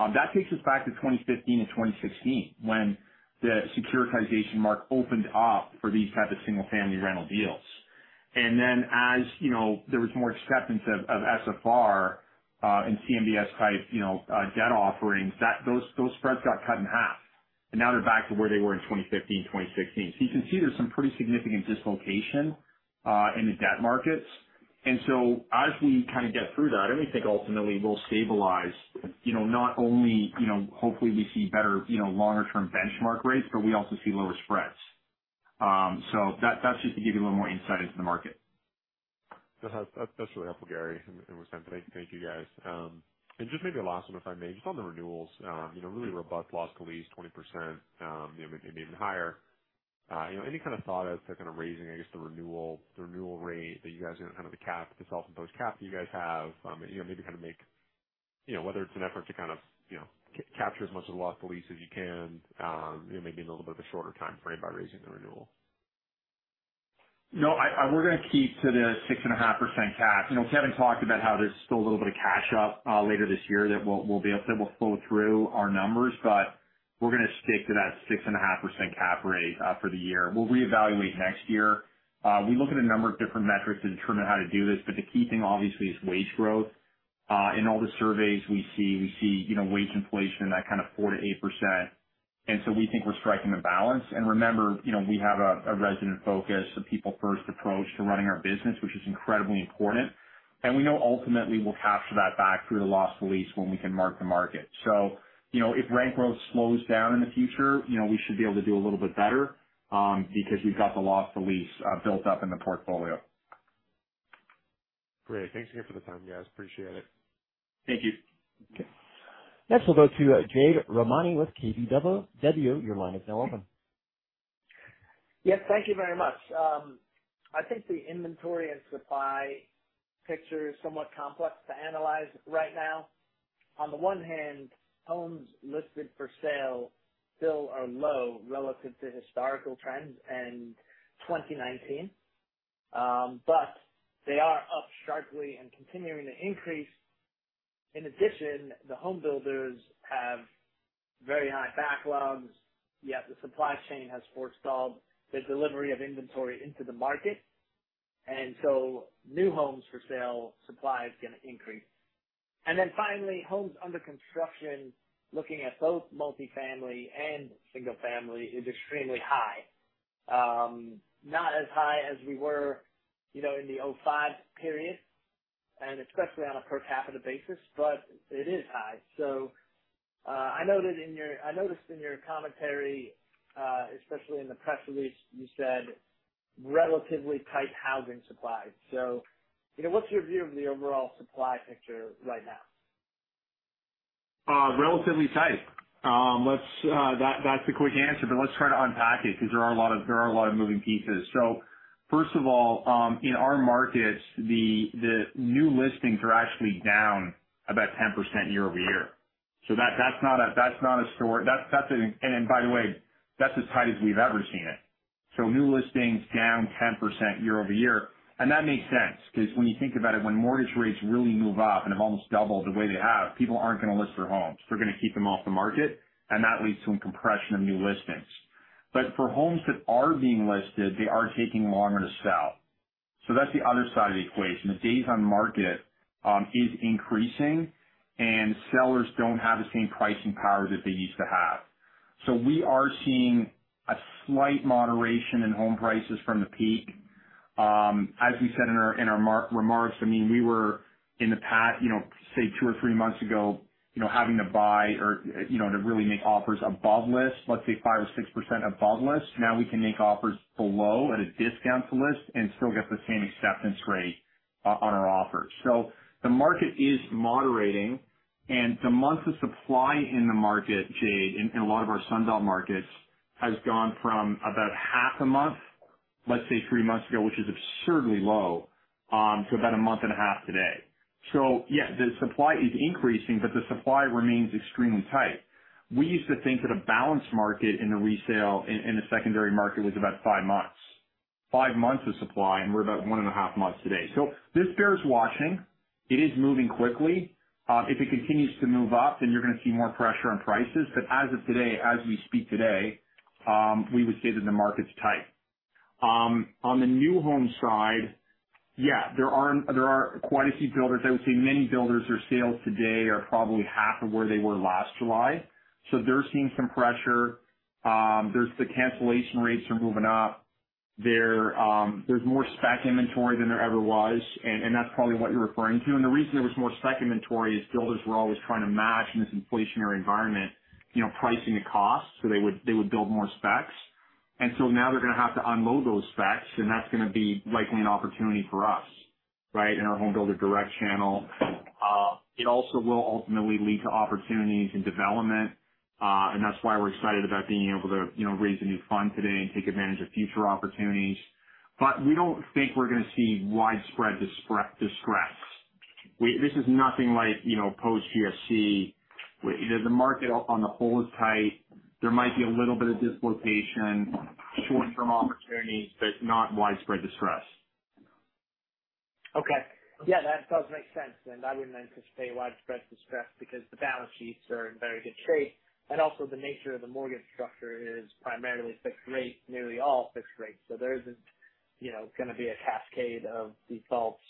That takes us back to 2015 and 2016 when the securitization market opened up for these type of single family rental deals. As you know, there was more acceptance of SFR and CMBS type, you know, debt offerings, those spreads got cut in half, and now they're back to where they were in 2015, 2016. You can see there's some pretty significant dislocation in the debt markets. As we kind of get through that, I think ultimately we'll stabilize, you know, not only, you know, hopefully we see better, you know, longer term benchmark rates, but we also see lower spreads. That's just to give you a little more insight into the market. That helps. That's really helpful, Gary and Wissam. Thank you guys. Just maybe a last one, if I may, just on the renewals. You know, really robust loss to lease 20%, you know, maybe even higher. You know, any kind of thought as to kind of raising, I guess, the renewal rate that you guys, you know, kind of the cap, the self-imposed cap that you guys have. You know, maybe kind of make, you know, whether it's an effort to kind of, you know, capture as much of the loss to lease as you can, you know, maybe in a little bit of a shorter timeframe by raising the renewal. No, we're gonna keep to the 6.5% cap. You know, Kevin talked about how there's still a little bit of cash up later this year that we'll be able to flow through our numbers, but we're gonna stick to that 6.5% cap rate for the year. We'll reevaluate next year. We look at a number of different metrics to determine how to do this, but the key thing obviously is wage growth. In all the surveys we see, you know, wage inflation in that kind of 4%-8%, and so we think we're striking the balance. Remember, you know, we have a resident focus, a people first approach to running our business, which is incredibly important. We know ultimately we'll capture that back through the loss to lease when we can mark the market. You know, if rent growth slows down in the future, you know, we should be able to do a little bit better, because we've got the loss to lease built up in the portfolio. Great. Thanks again for the time, guys. Appreciate it. Thank you. Okay. Next we'll go to Jade Rahmani with KBW. Your line is now open. Yes, thank you very much. I think the inventory and supply picture is somewhat complex to analyze right now. On the one hand, homes listed for sale still are low relative to historical trends and 2019. But they are up sharply and continuing to increase. In addition, the home builders have very high backlogs, yet the supply chain has forestalled the delivery of inventory into the market. New homes for sale supply is gonna increase. Finally, homes under construction, looking at both multifamily and single family, is extremely high. Not as high as we were, you know, in the 2005 period, and especially on a per capita basis, but it is high. I noticed in your commentary, especially in the press release, you said relatively tight housing supply. You know, what's your view of the overall supply picture right now? Relatively tight. That's the quick answer, but let's try to unpack it because there are a lot of moving pieces. First of all, in our markets, the new listings are actually down about 10% year-over-year. By the way, that's as tight as we've ever seen it. New listings down 10% year-over-year. That makes sense, because when you think about it, when mortgage rates really move up and have almost doubled the way they have, people aren't gonna list their homes. They're gonna keep them off the market. That leads to a compression of new listings. For homes that are being listed, they are taking longer to sell. That's the other side of the equation. The days on market is increasing and sellers don't have the same pricing power that they used to have. We are seeing a slight moderation in home prices from the peak. As we said in our remarks, I mean, we were in the past, you know, say two or three months ago, you know, having to buy or, you know, to really make offers above list, let's say 5% or 6% above list. Now we can make offers below at a discount to list and still get the same acceptance rate on our offers. The market is moderating and the months of supply in the market, Jade, in a lot of our Sun Belt markets, has gone from about half a month, let's say three months ago, which is absurdly low, to about a month and a half today. Yeah, the supply is increasing, but the supply remains extremely tight. We used to think that a balanced market in the resale in the secondary market was about 5 months. 5 months of supply, and we're about 1.5 months today. This bears watching. It is moving quickly. If it continues to move up, then you're gonna see more pressure on prices. But as of today, as we speak today, we would say that the market's tight. On the new home side, yeah, there are quite a few builders. I would say many builders, their sales today are probably half of where they were last July. They're seeing some pressure. The cancellation rates are moving up. There's more spec inventory than there ever was, and that's probably what you're referring to. The reason there was more spec inventory is builders were always trying to match in this inflationary environment, you know, pricing to cost, so they would build more specs. Now they're gonna have to unload those specs and that's gonna be likely an opportunity for us, right? In our Home Builder Direct channel. It also will ultimately lead to opportunities in development, and that's why we're excited about being able to, you know, raise a new fund today and take advantage of future opportunities. We don't think we're gonna see widespread distress. This is nothing like, you know, post GFC. You know, the market on the whole is tight. There might be a little bit of dislocation, short-term opportunities, but not widespread distress. Okay. Yeah, that does make sense. I wouldn't anticipate widespread distress because the balance sheets are in very good shape. Also the nature of the mortgage structure is primarily fixed rate, nearly all fixed rate. There isn't, you know, gonna be a cascade of defaults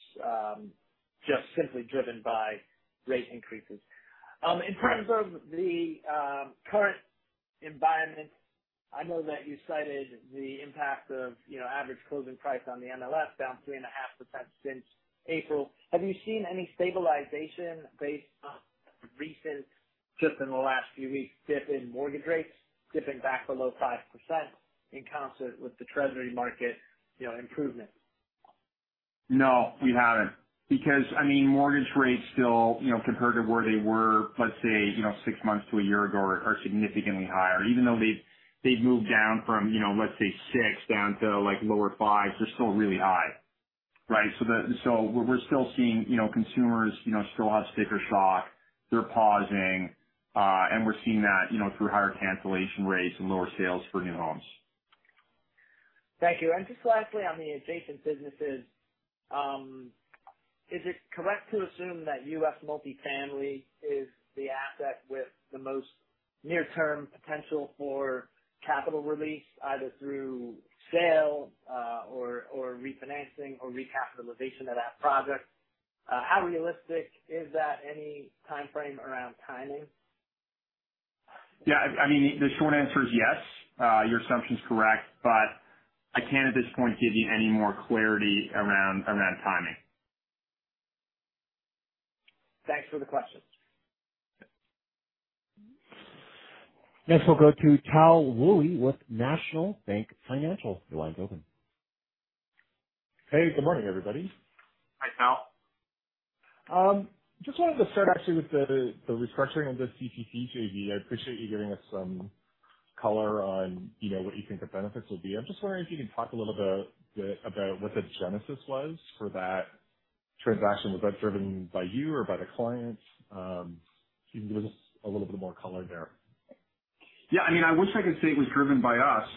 just simply driven by rate increases. In terms of the current environment, I know that you cited the impact of, you know, average closing price on the MLS down 3.5% since April. Have you seen any stabilization based on recent, just in the last few weeks, dip in mortgage rates, dipping back below 5% in concert with the treasury market, you know, improvement? No, we haven't because, I mean, mortgage rates still, you know, compared to where they were, let's say, you know, six months to a year ago, are significantly higher, even though they've moved down from, you know, let's say six down to like lower fives. They're still really high, right? So we're still seeing, you know, consumers, you know, still have sticker shock. They're pausing. We're seeing that, you know, through higher cancellation rates and lower sales for new homes. Thank you. Just lastly, on the adjacent businesses, is it correct to assume that U.S. multifamily is the asset with the most near-term potential for capital release, either through sale, or refinancing or recapitalization of that project? How realistic is that any timeframe around timing? Yeah, I mean, the short answer is yes. Your assumption is correct, but I can't at this point give you any more clarity around timing. Thanks for the question. Next, we'll go to Tal Woolley with National Bank Financial. Your line's open. Hey, good morning, everybody. Hi, Tal. Just wanted to start actually with the restructuring of the CPPIB JV. I appreciate you giving us some color on, you know, what you think the benefits will be. I'm just wondering if you can talk a little bit about what the genesis was for that transaction. Was that driven by you or by the clients? If you can give us a little bit more color there. Yeah. I mean, I wish I could say it was driven by us,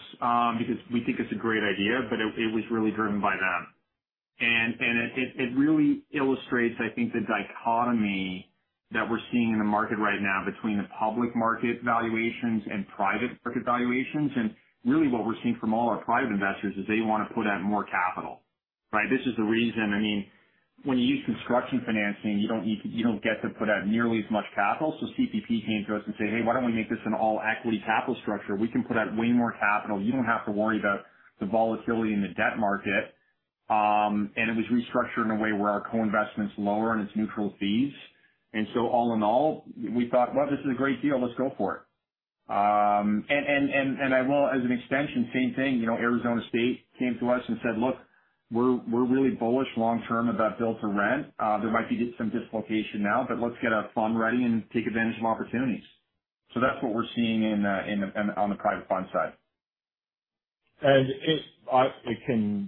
because we think it's a great idea, but it was really driven by them. It really illustrates, I think, the dichotomy that we're seeing in the market right now between the public market valuations and private market valuations. Really what we're seeing from all our private investors is they wanna put out more capital, right? This is the reason. I mean, when you use construction financing, you don't get to put out nearly as much capital. CPP came to us and said, "Hey, why don't we make this an all equity capital structure? We can put out way more capital. You don't have to worry about the volatility in the debt market. It was restructured in a way where our co-investment's lower and it's neutral fees. All in all, we thought, "Well, this is a great deal. Let's go for it." I will. As an extension, same thing, you know, Arizona State came to us and said, "Look, we're really bullish long term about build to rent. There might be some dislocation now, but let's get a fund ready and take advantage of opportunities." That's what we're seeing in the, on the private fund side.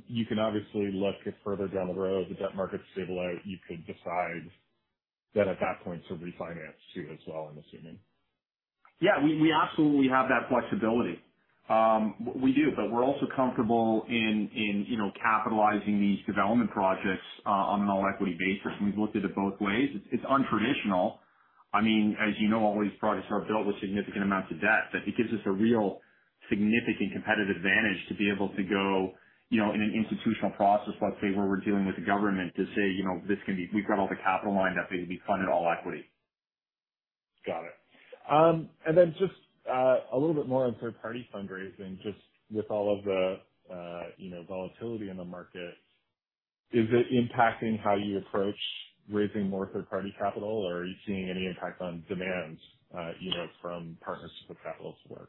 You can obviously look at further down the road, the debt markets stable out, you could decide that at that point to refinance too as well, I'm assuming. Yeah. We absolutely have that flexibility. We do, but we're also comfortable, you know, capitalizing these development projects on an all equity basis, and we've looked at it both ways. It's untraditional. I mean, as you know, all these projects are built with significant amounts of debt. I think gives us a real significant competitive advantage to be able to go, you know, in an institutional process, let's say, where we're dealing with the government to say, you know, this can be. We've got all the capital lined up. It'll be funded all equity. Got it. Just a little bit more on third-party fundraising, just with all of the, you know, volatility in the market, is it impacting how you approach raising more third-party capital, or are you seeing any impact on demand, you know, from partners with capital to work?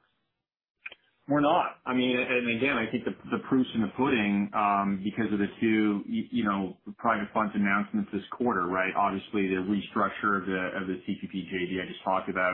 We're not. I mean, again, I think the proof's in the pudding, because of the two, you know, private funds announcements this quarter, right? Obviously, the restructure of the TPAS JV I just talked about,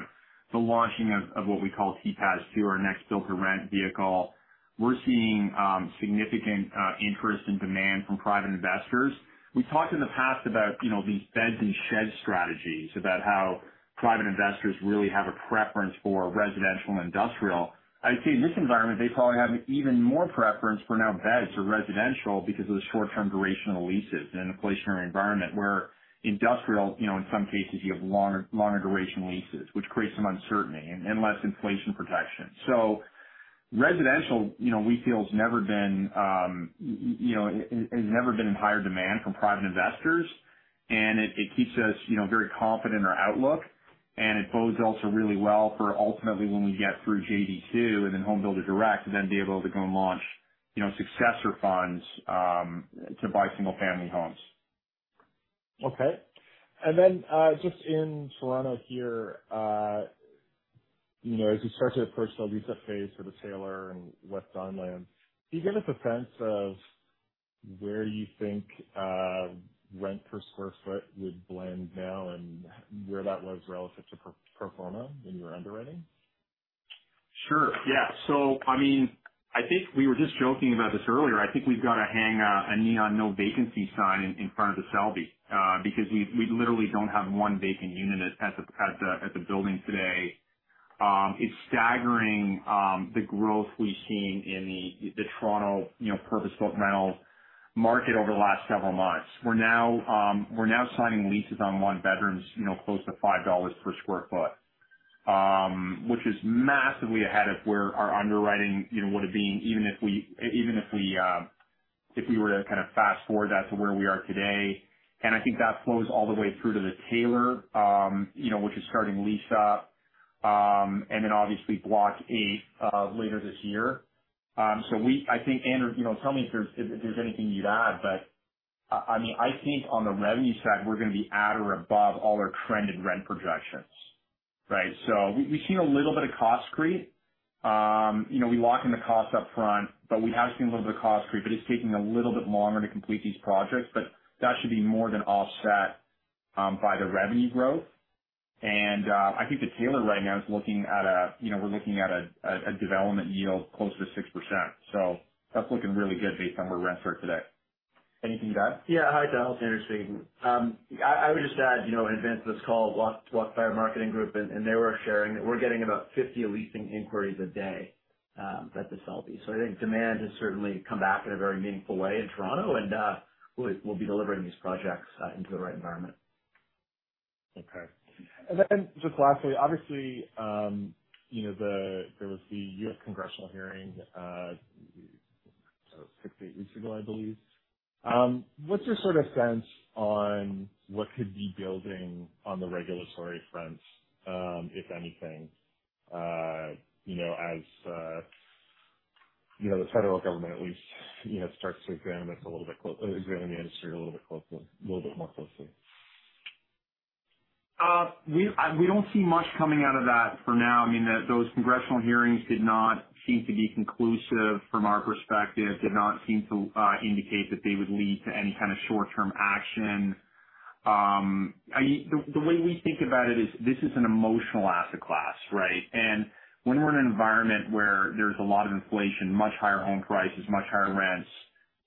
the launching of what we call TPAS to our next build to rent vehicle. We're seeing significant interest and demand from private investors. We talked in the past about, you know, these beds and sheds strategies, about how private investors really have a preference for residential and industrial. I think in this environment, they probably have even more preference for now beds or residential because of the short-term durational leases in an inflationary environment where industrial, you know, in some cases you have longer duration leases, which creates some uncertainty and less inflation protection. Residential, you know, we feel has never been in higher demand from private investors. It keeps us, you know, very confident in our outlook, and it bodes also really well for ultimately when we get through JV-2 and then Home Builder Direct, to then be able to go and launch, you know, successor funds to buy single-family homes. Just in Toronto here, you know, as you start to approach the lease-up phase for the Taylor and West Don Lands, can you give us a sense of where you think rent per square foot would blend now and where that was relative to pro forma in your underwriting? Sure, yeah. I mean, I think we were just joking about this earlier. I think we've got to hang a neon no-vacancy sign in front of the Selby, because we literally don't have one vacant unit at the building today. It's staggering, the growth we've seen in the Toronto, you know, purpose-built rental market over the last several months. We're now signing leases on one bedrooms, you know, close to $5 per sq ft, which is massively ahead of where our underwriting, you know, would have been, even if we were to kind of fast-forward that to where we are today. I think that flows all the way through to the Taylor, you know, which is starting lease up, and then obviously block eight later this year. I think, Andrew, you know, tell me if there's anything you'd add, but I mean, I think on the revenue side, we're gonna be at or above all our trended rent projections, right? We've seen a little bit of cost creep. You know, we lock in the costs up front, but we have seen a little bit of cost creep, but it's taking a little bit longer to complete these projects. But that should be more than offset by the revenue growth. I think the Taylor right now is looking at a. You know, we're looking at a development yield close to 6%. That's looking really good based on where rents are today. Anything to add? Yeah. Hi, Tal. It's Andrew speaking. I would just add, you know, in advance of this call, walked by our marketing group and they were sharing that we're getting about 50 leasing inquiries a day at the Selby. So I think demand has certainly come back in a very meaningful way in Toronto, and we'll be delivering these projects into the right environment. Okay. Then just lastly, obviously, you know, there was the U.S. Congressional hearing six to eight weeks ago, I believe. What's your sort of sense on what could be building on the regulatory front, if anything, you know, as you know, the federal government at least, you know, starts to examine the industry a little bit closely, a little bit more closely? We don't see much coming out of that for now. I mean, those Congressional hearings did not seem to be conclusive from our perspective, did not seem to indicate that they would lead to any kind of short-term action. I mean, the way we think about it is this is an emotional asset class, right? When we're in an environment where there's a lot of inflation, much higher home prices, much higher rents.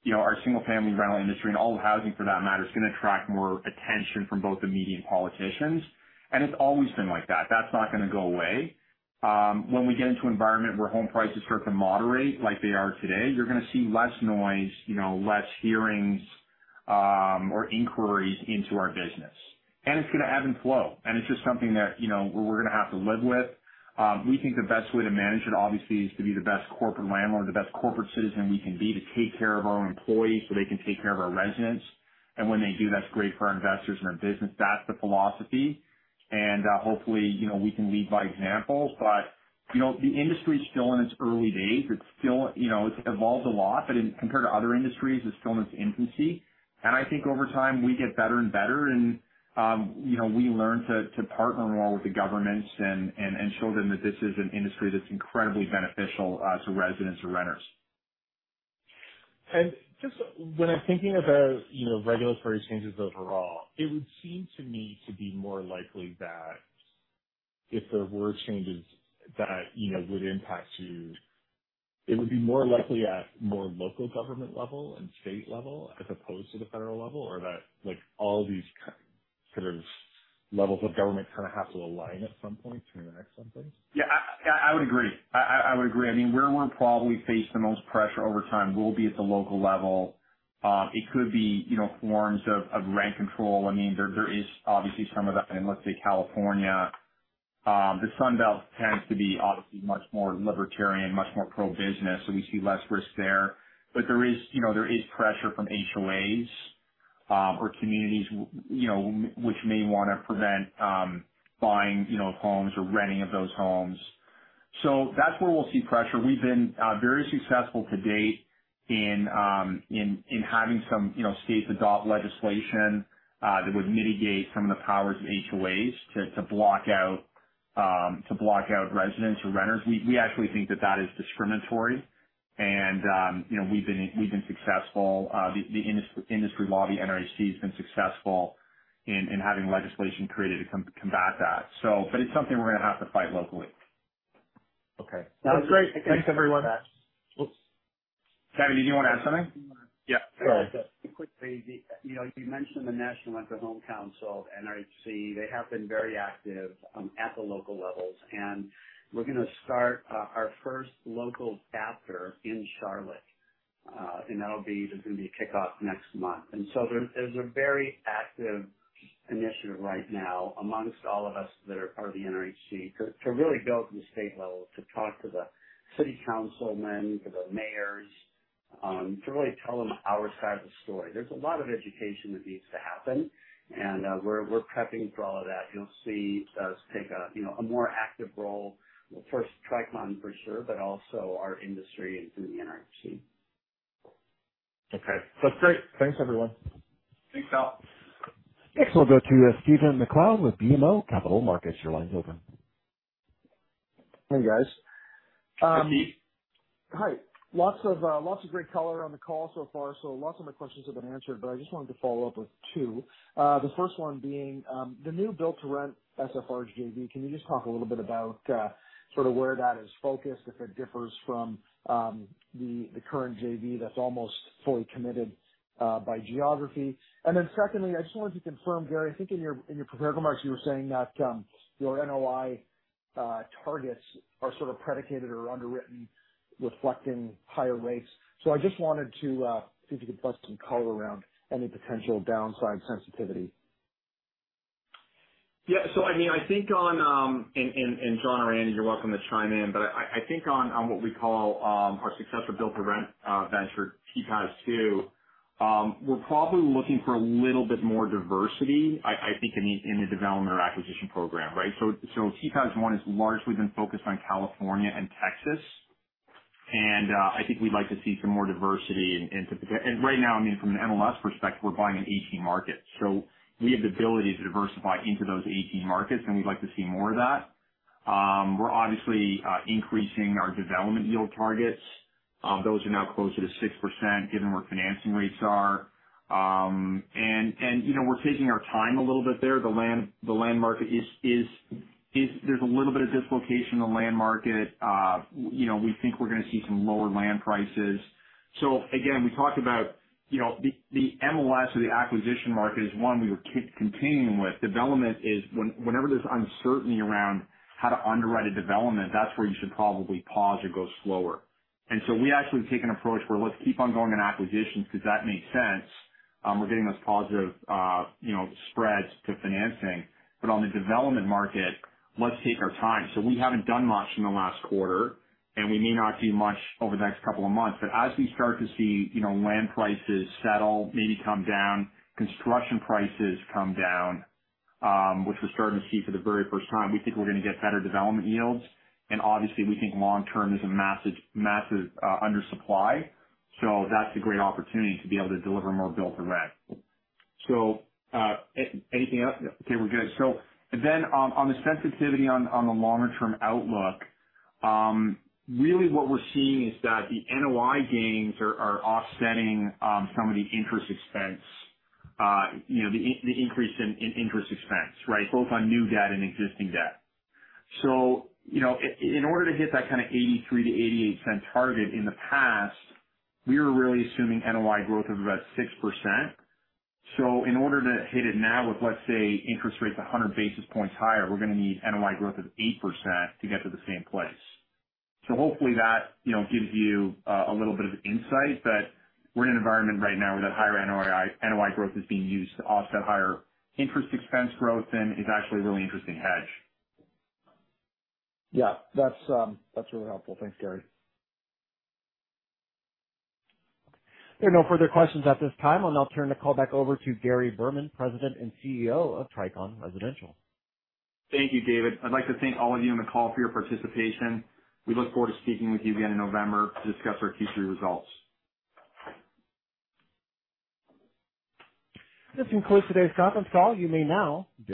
You know, our single family rental industry and all of housing for that matter, is gonna attract more attention from both the media and politicians. It's always been like that. That's not gonna go away. When we get into an environment where home prices start to moderate like they are today, you're gonna see less noise, you know, less hearings, or inquiries into our business. It's gonna ebb and flow. It's just something that, you know, we're gonna have to live with. We think the best way to manage it obviously is to be the best corporate landlord, the best corporate citizen we can be, to take care of our own employees so they can take care of our residents. When they do, that's great for our investors and our business. That's the philosophy. Hopefully, you know, we can lead by example. You know, the industry is still in its early days. It's still, you know, it's evolved a lot. Compared to other industries, it's still in its infancy. I think over time we get better and better and, you know, we learn to partner more with the governments and show them that this is an industry that's incredibly beneficial to residents and renters. Just when I'm thinking about, you know, regulatory changes overall, it would seem to me to be more likely that if there were changes that, you know, would impact you, it would be more likely at more local government level and state level as opposed to the federal level, or that like all these kind of levels of government kind of have to align at some point to enact something. Yeah. I would agree. I mean, where we'll probably face the most pressure over time will be at the local level. It could be, you know, forms of rent control. I mean, there is obviously some of that in, let's say, California. The Sun Belt tends to be obviously much more libertarian, much more pro-business. So we see less risk there. But there is, you know, pressure from HOAs, or communities which, you know, which may wanna prevent buying, you know, of homes or renting of those homes. So that's where we'll see pressure. We've been very successful to date in having some, you know, states adopt legislation that would mitigate some of the powers of HOAs to block out residents or renters. We actually think that is discriminatory. You know, we've been successful, the industry lobby, NRHC, has been successful in having legislation created to combat that. It's something we're gonna have to fight locally. Okay. That's great. Thanks, everyone. Kevin, did you wanna ask something? Yeah. Go ahead. Quickly. You know, you mentioned the National Rental Home Council, NRHC. They have been very active at the local levels. We're gonna start our first local chapter in Charlotte. That'll be. There's gonna be a kickoff next month. There's a very active initiative right now amongst all of us that are part of the NRHC to really go to the state level. To talk to the city councilmen, to the mayors, to really tell them our side of the story. There's a lot of education that needs to happen. We're prepping for all of that. You'll see us take a you know, a more active role for Tricon for sure, but also our industry and through the NRHC. Okay. That's great. Thanks everyone. Thanks, Tal. Next we'll go to Stephen MacLeod with BMO Capital Markets. Your line's open. Hey, guys. Hi, Stephen. Hi. Lots of great color on the call so far, so lots of my questions have been answered, but I just wanted to follow up with two. The first one being, the new build to rent SFR JV. Can you just talk a little bit about, sort of where that is focused, if it differs from, the current JV that's almost fully committed, by geography? And then secondly, I just wanted to confirm, Gary. I think in your prepared remarks you were saying that, your NOI targets are sort of predicated or underwritten reflecting higher rates. I just wanted to see if you could put some color around any potential downside sensitivity. Yeah. I mean, I think on John or Randy, you're welcome to chime in, but I think on what we call our successful build to rent venture, TPAS Two, we're probably looking for a little bit more diversity, I think in the development or acquisition program, right? TPAS One has largely been focused on California and Texas. I think we'd like to see some more diversity into potential. Right now, I mean, from an MLS perspective, we're buying in 18 markets. We have the ability to diversify into those 18 markets and we'd like to see more of that. We're obviously increasing our development yield targets. Those are now closer to 6% given where financing rates are. You know, we're taking our time a little bit there. The land market is. There's a little bit of dislocation in the land market. You know, we think we're gonna see some lower land prices. Again, we talked about, you know, the MLS or the acquisition market is one we would continue with. Development is whenever there's uncertainty around how to underwrite a development, that's where you should probably pause or go slower. We actually take an approach where let's keep on going in acquisitions because that makes sense. We're getting those positive, you know, spreads to financing. On the development market, let's take our time. We haven't done much in the last quarter, and we may not see much over the next couple of months. As we start to see, you know, land prices settle, maybe come down, construction prices come down, which we're starting to see for the very first time. We think we're gonna get better development yields. Obviously we think long term there's a massive undersupply. That's a great opportunity to be able to deliver more build to rent. Anything else? Okay, we're good. Then, on the sensitivity on the longer term outlook, really what we're seeing is that the NOI gains are offsetting some of the interest expense, you know, the increase in interest expense, right? Both on new debt and existing debt. In order to hit that kind of $0.83-$0.88 target in the past, we were really assuming NOI growth of about 6%. In order to hit it now with, let's say, interest rates 100 basis points higher, we're gonna need NOI growth of 8% to get to the same place. Hopefully that, you know, gives you a little bit of insight. We're in an environment right now where that higher NOI growth is being used to offset higher interest expense growth and is actually a really interesting hedge. Yeah, that's really helpful. Thanks, Gary. There are no further questions at this time. I'll now turn the call back over to Gary Berman, President and CEO of Tricon Residential. Thank you, David. I'd like to thank all of you on the call for your participation. We look forward to speaking with you again in November to discuss our Q3 results. This concludes today's conference call. You may now disconnect.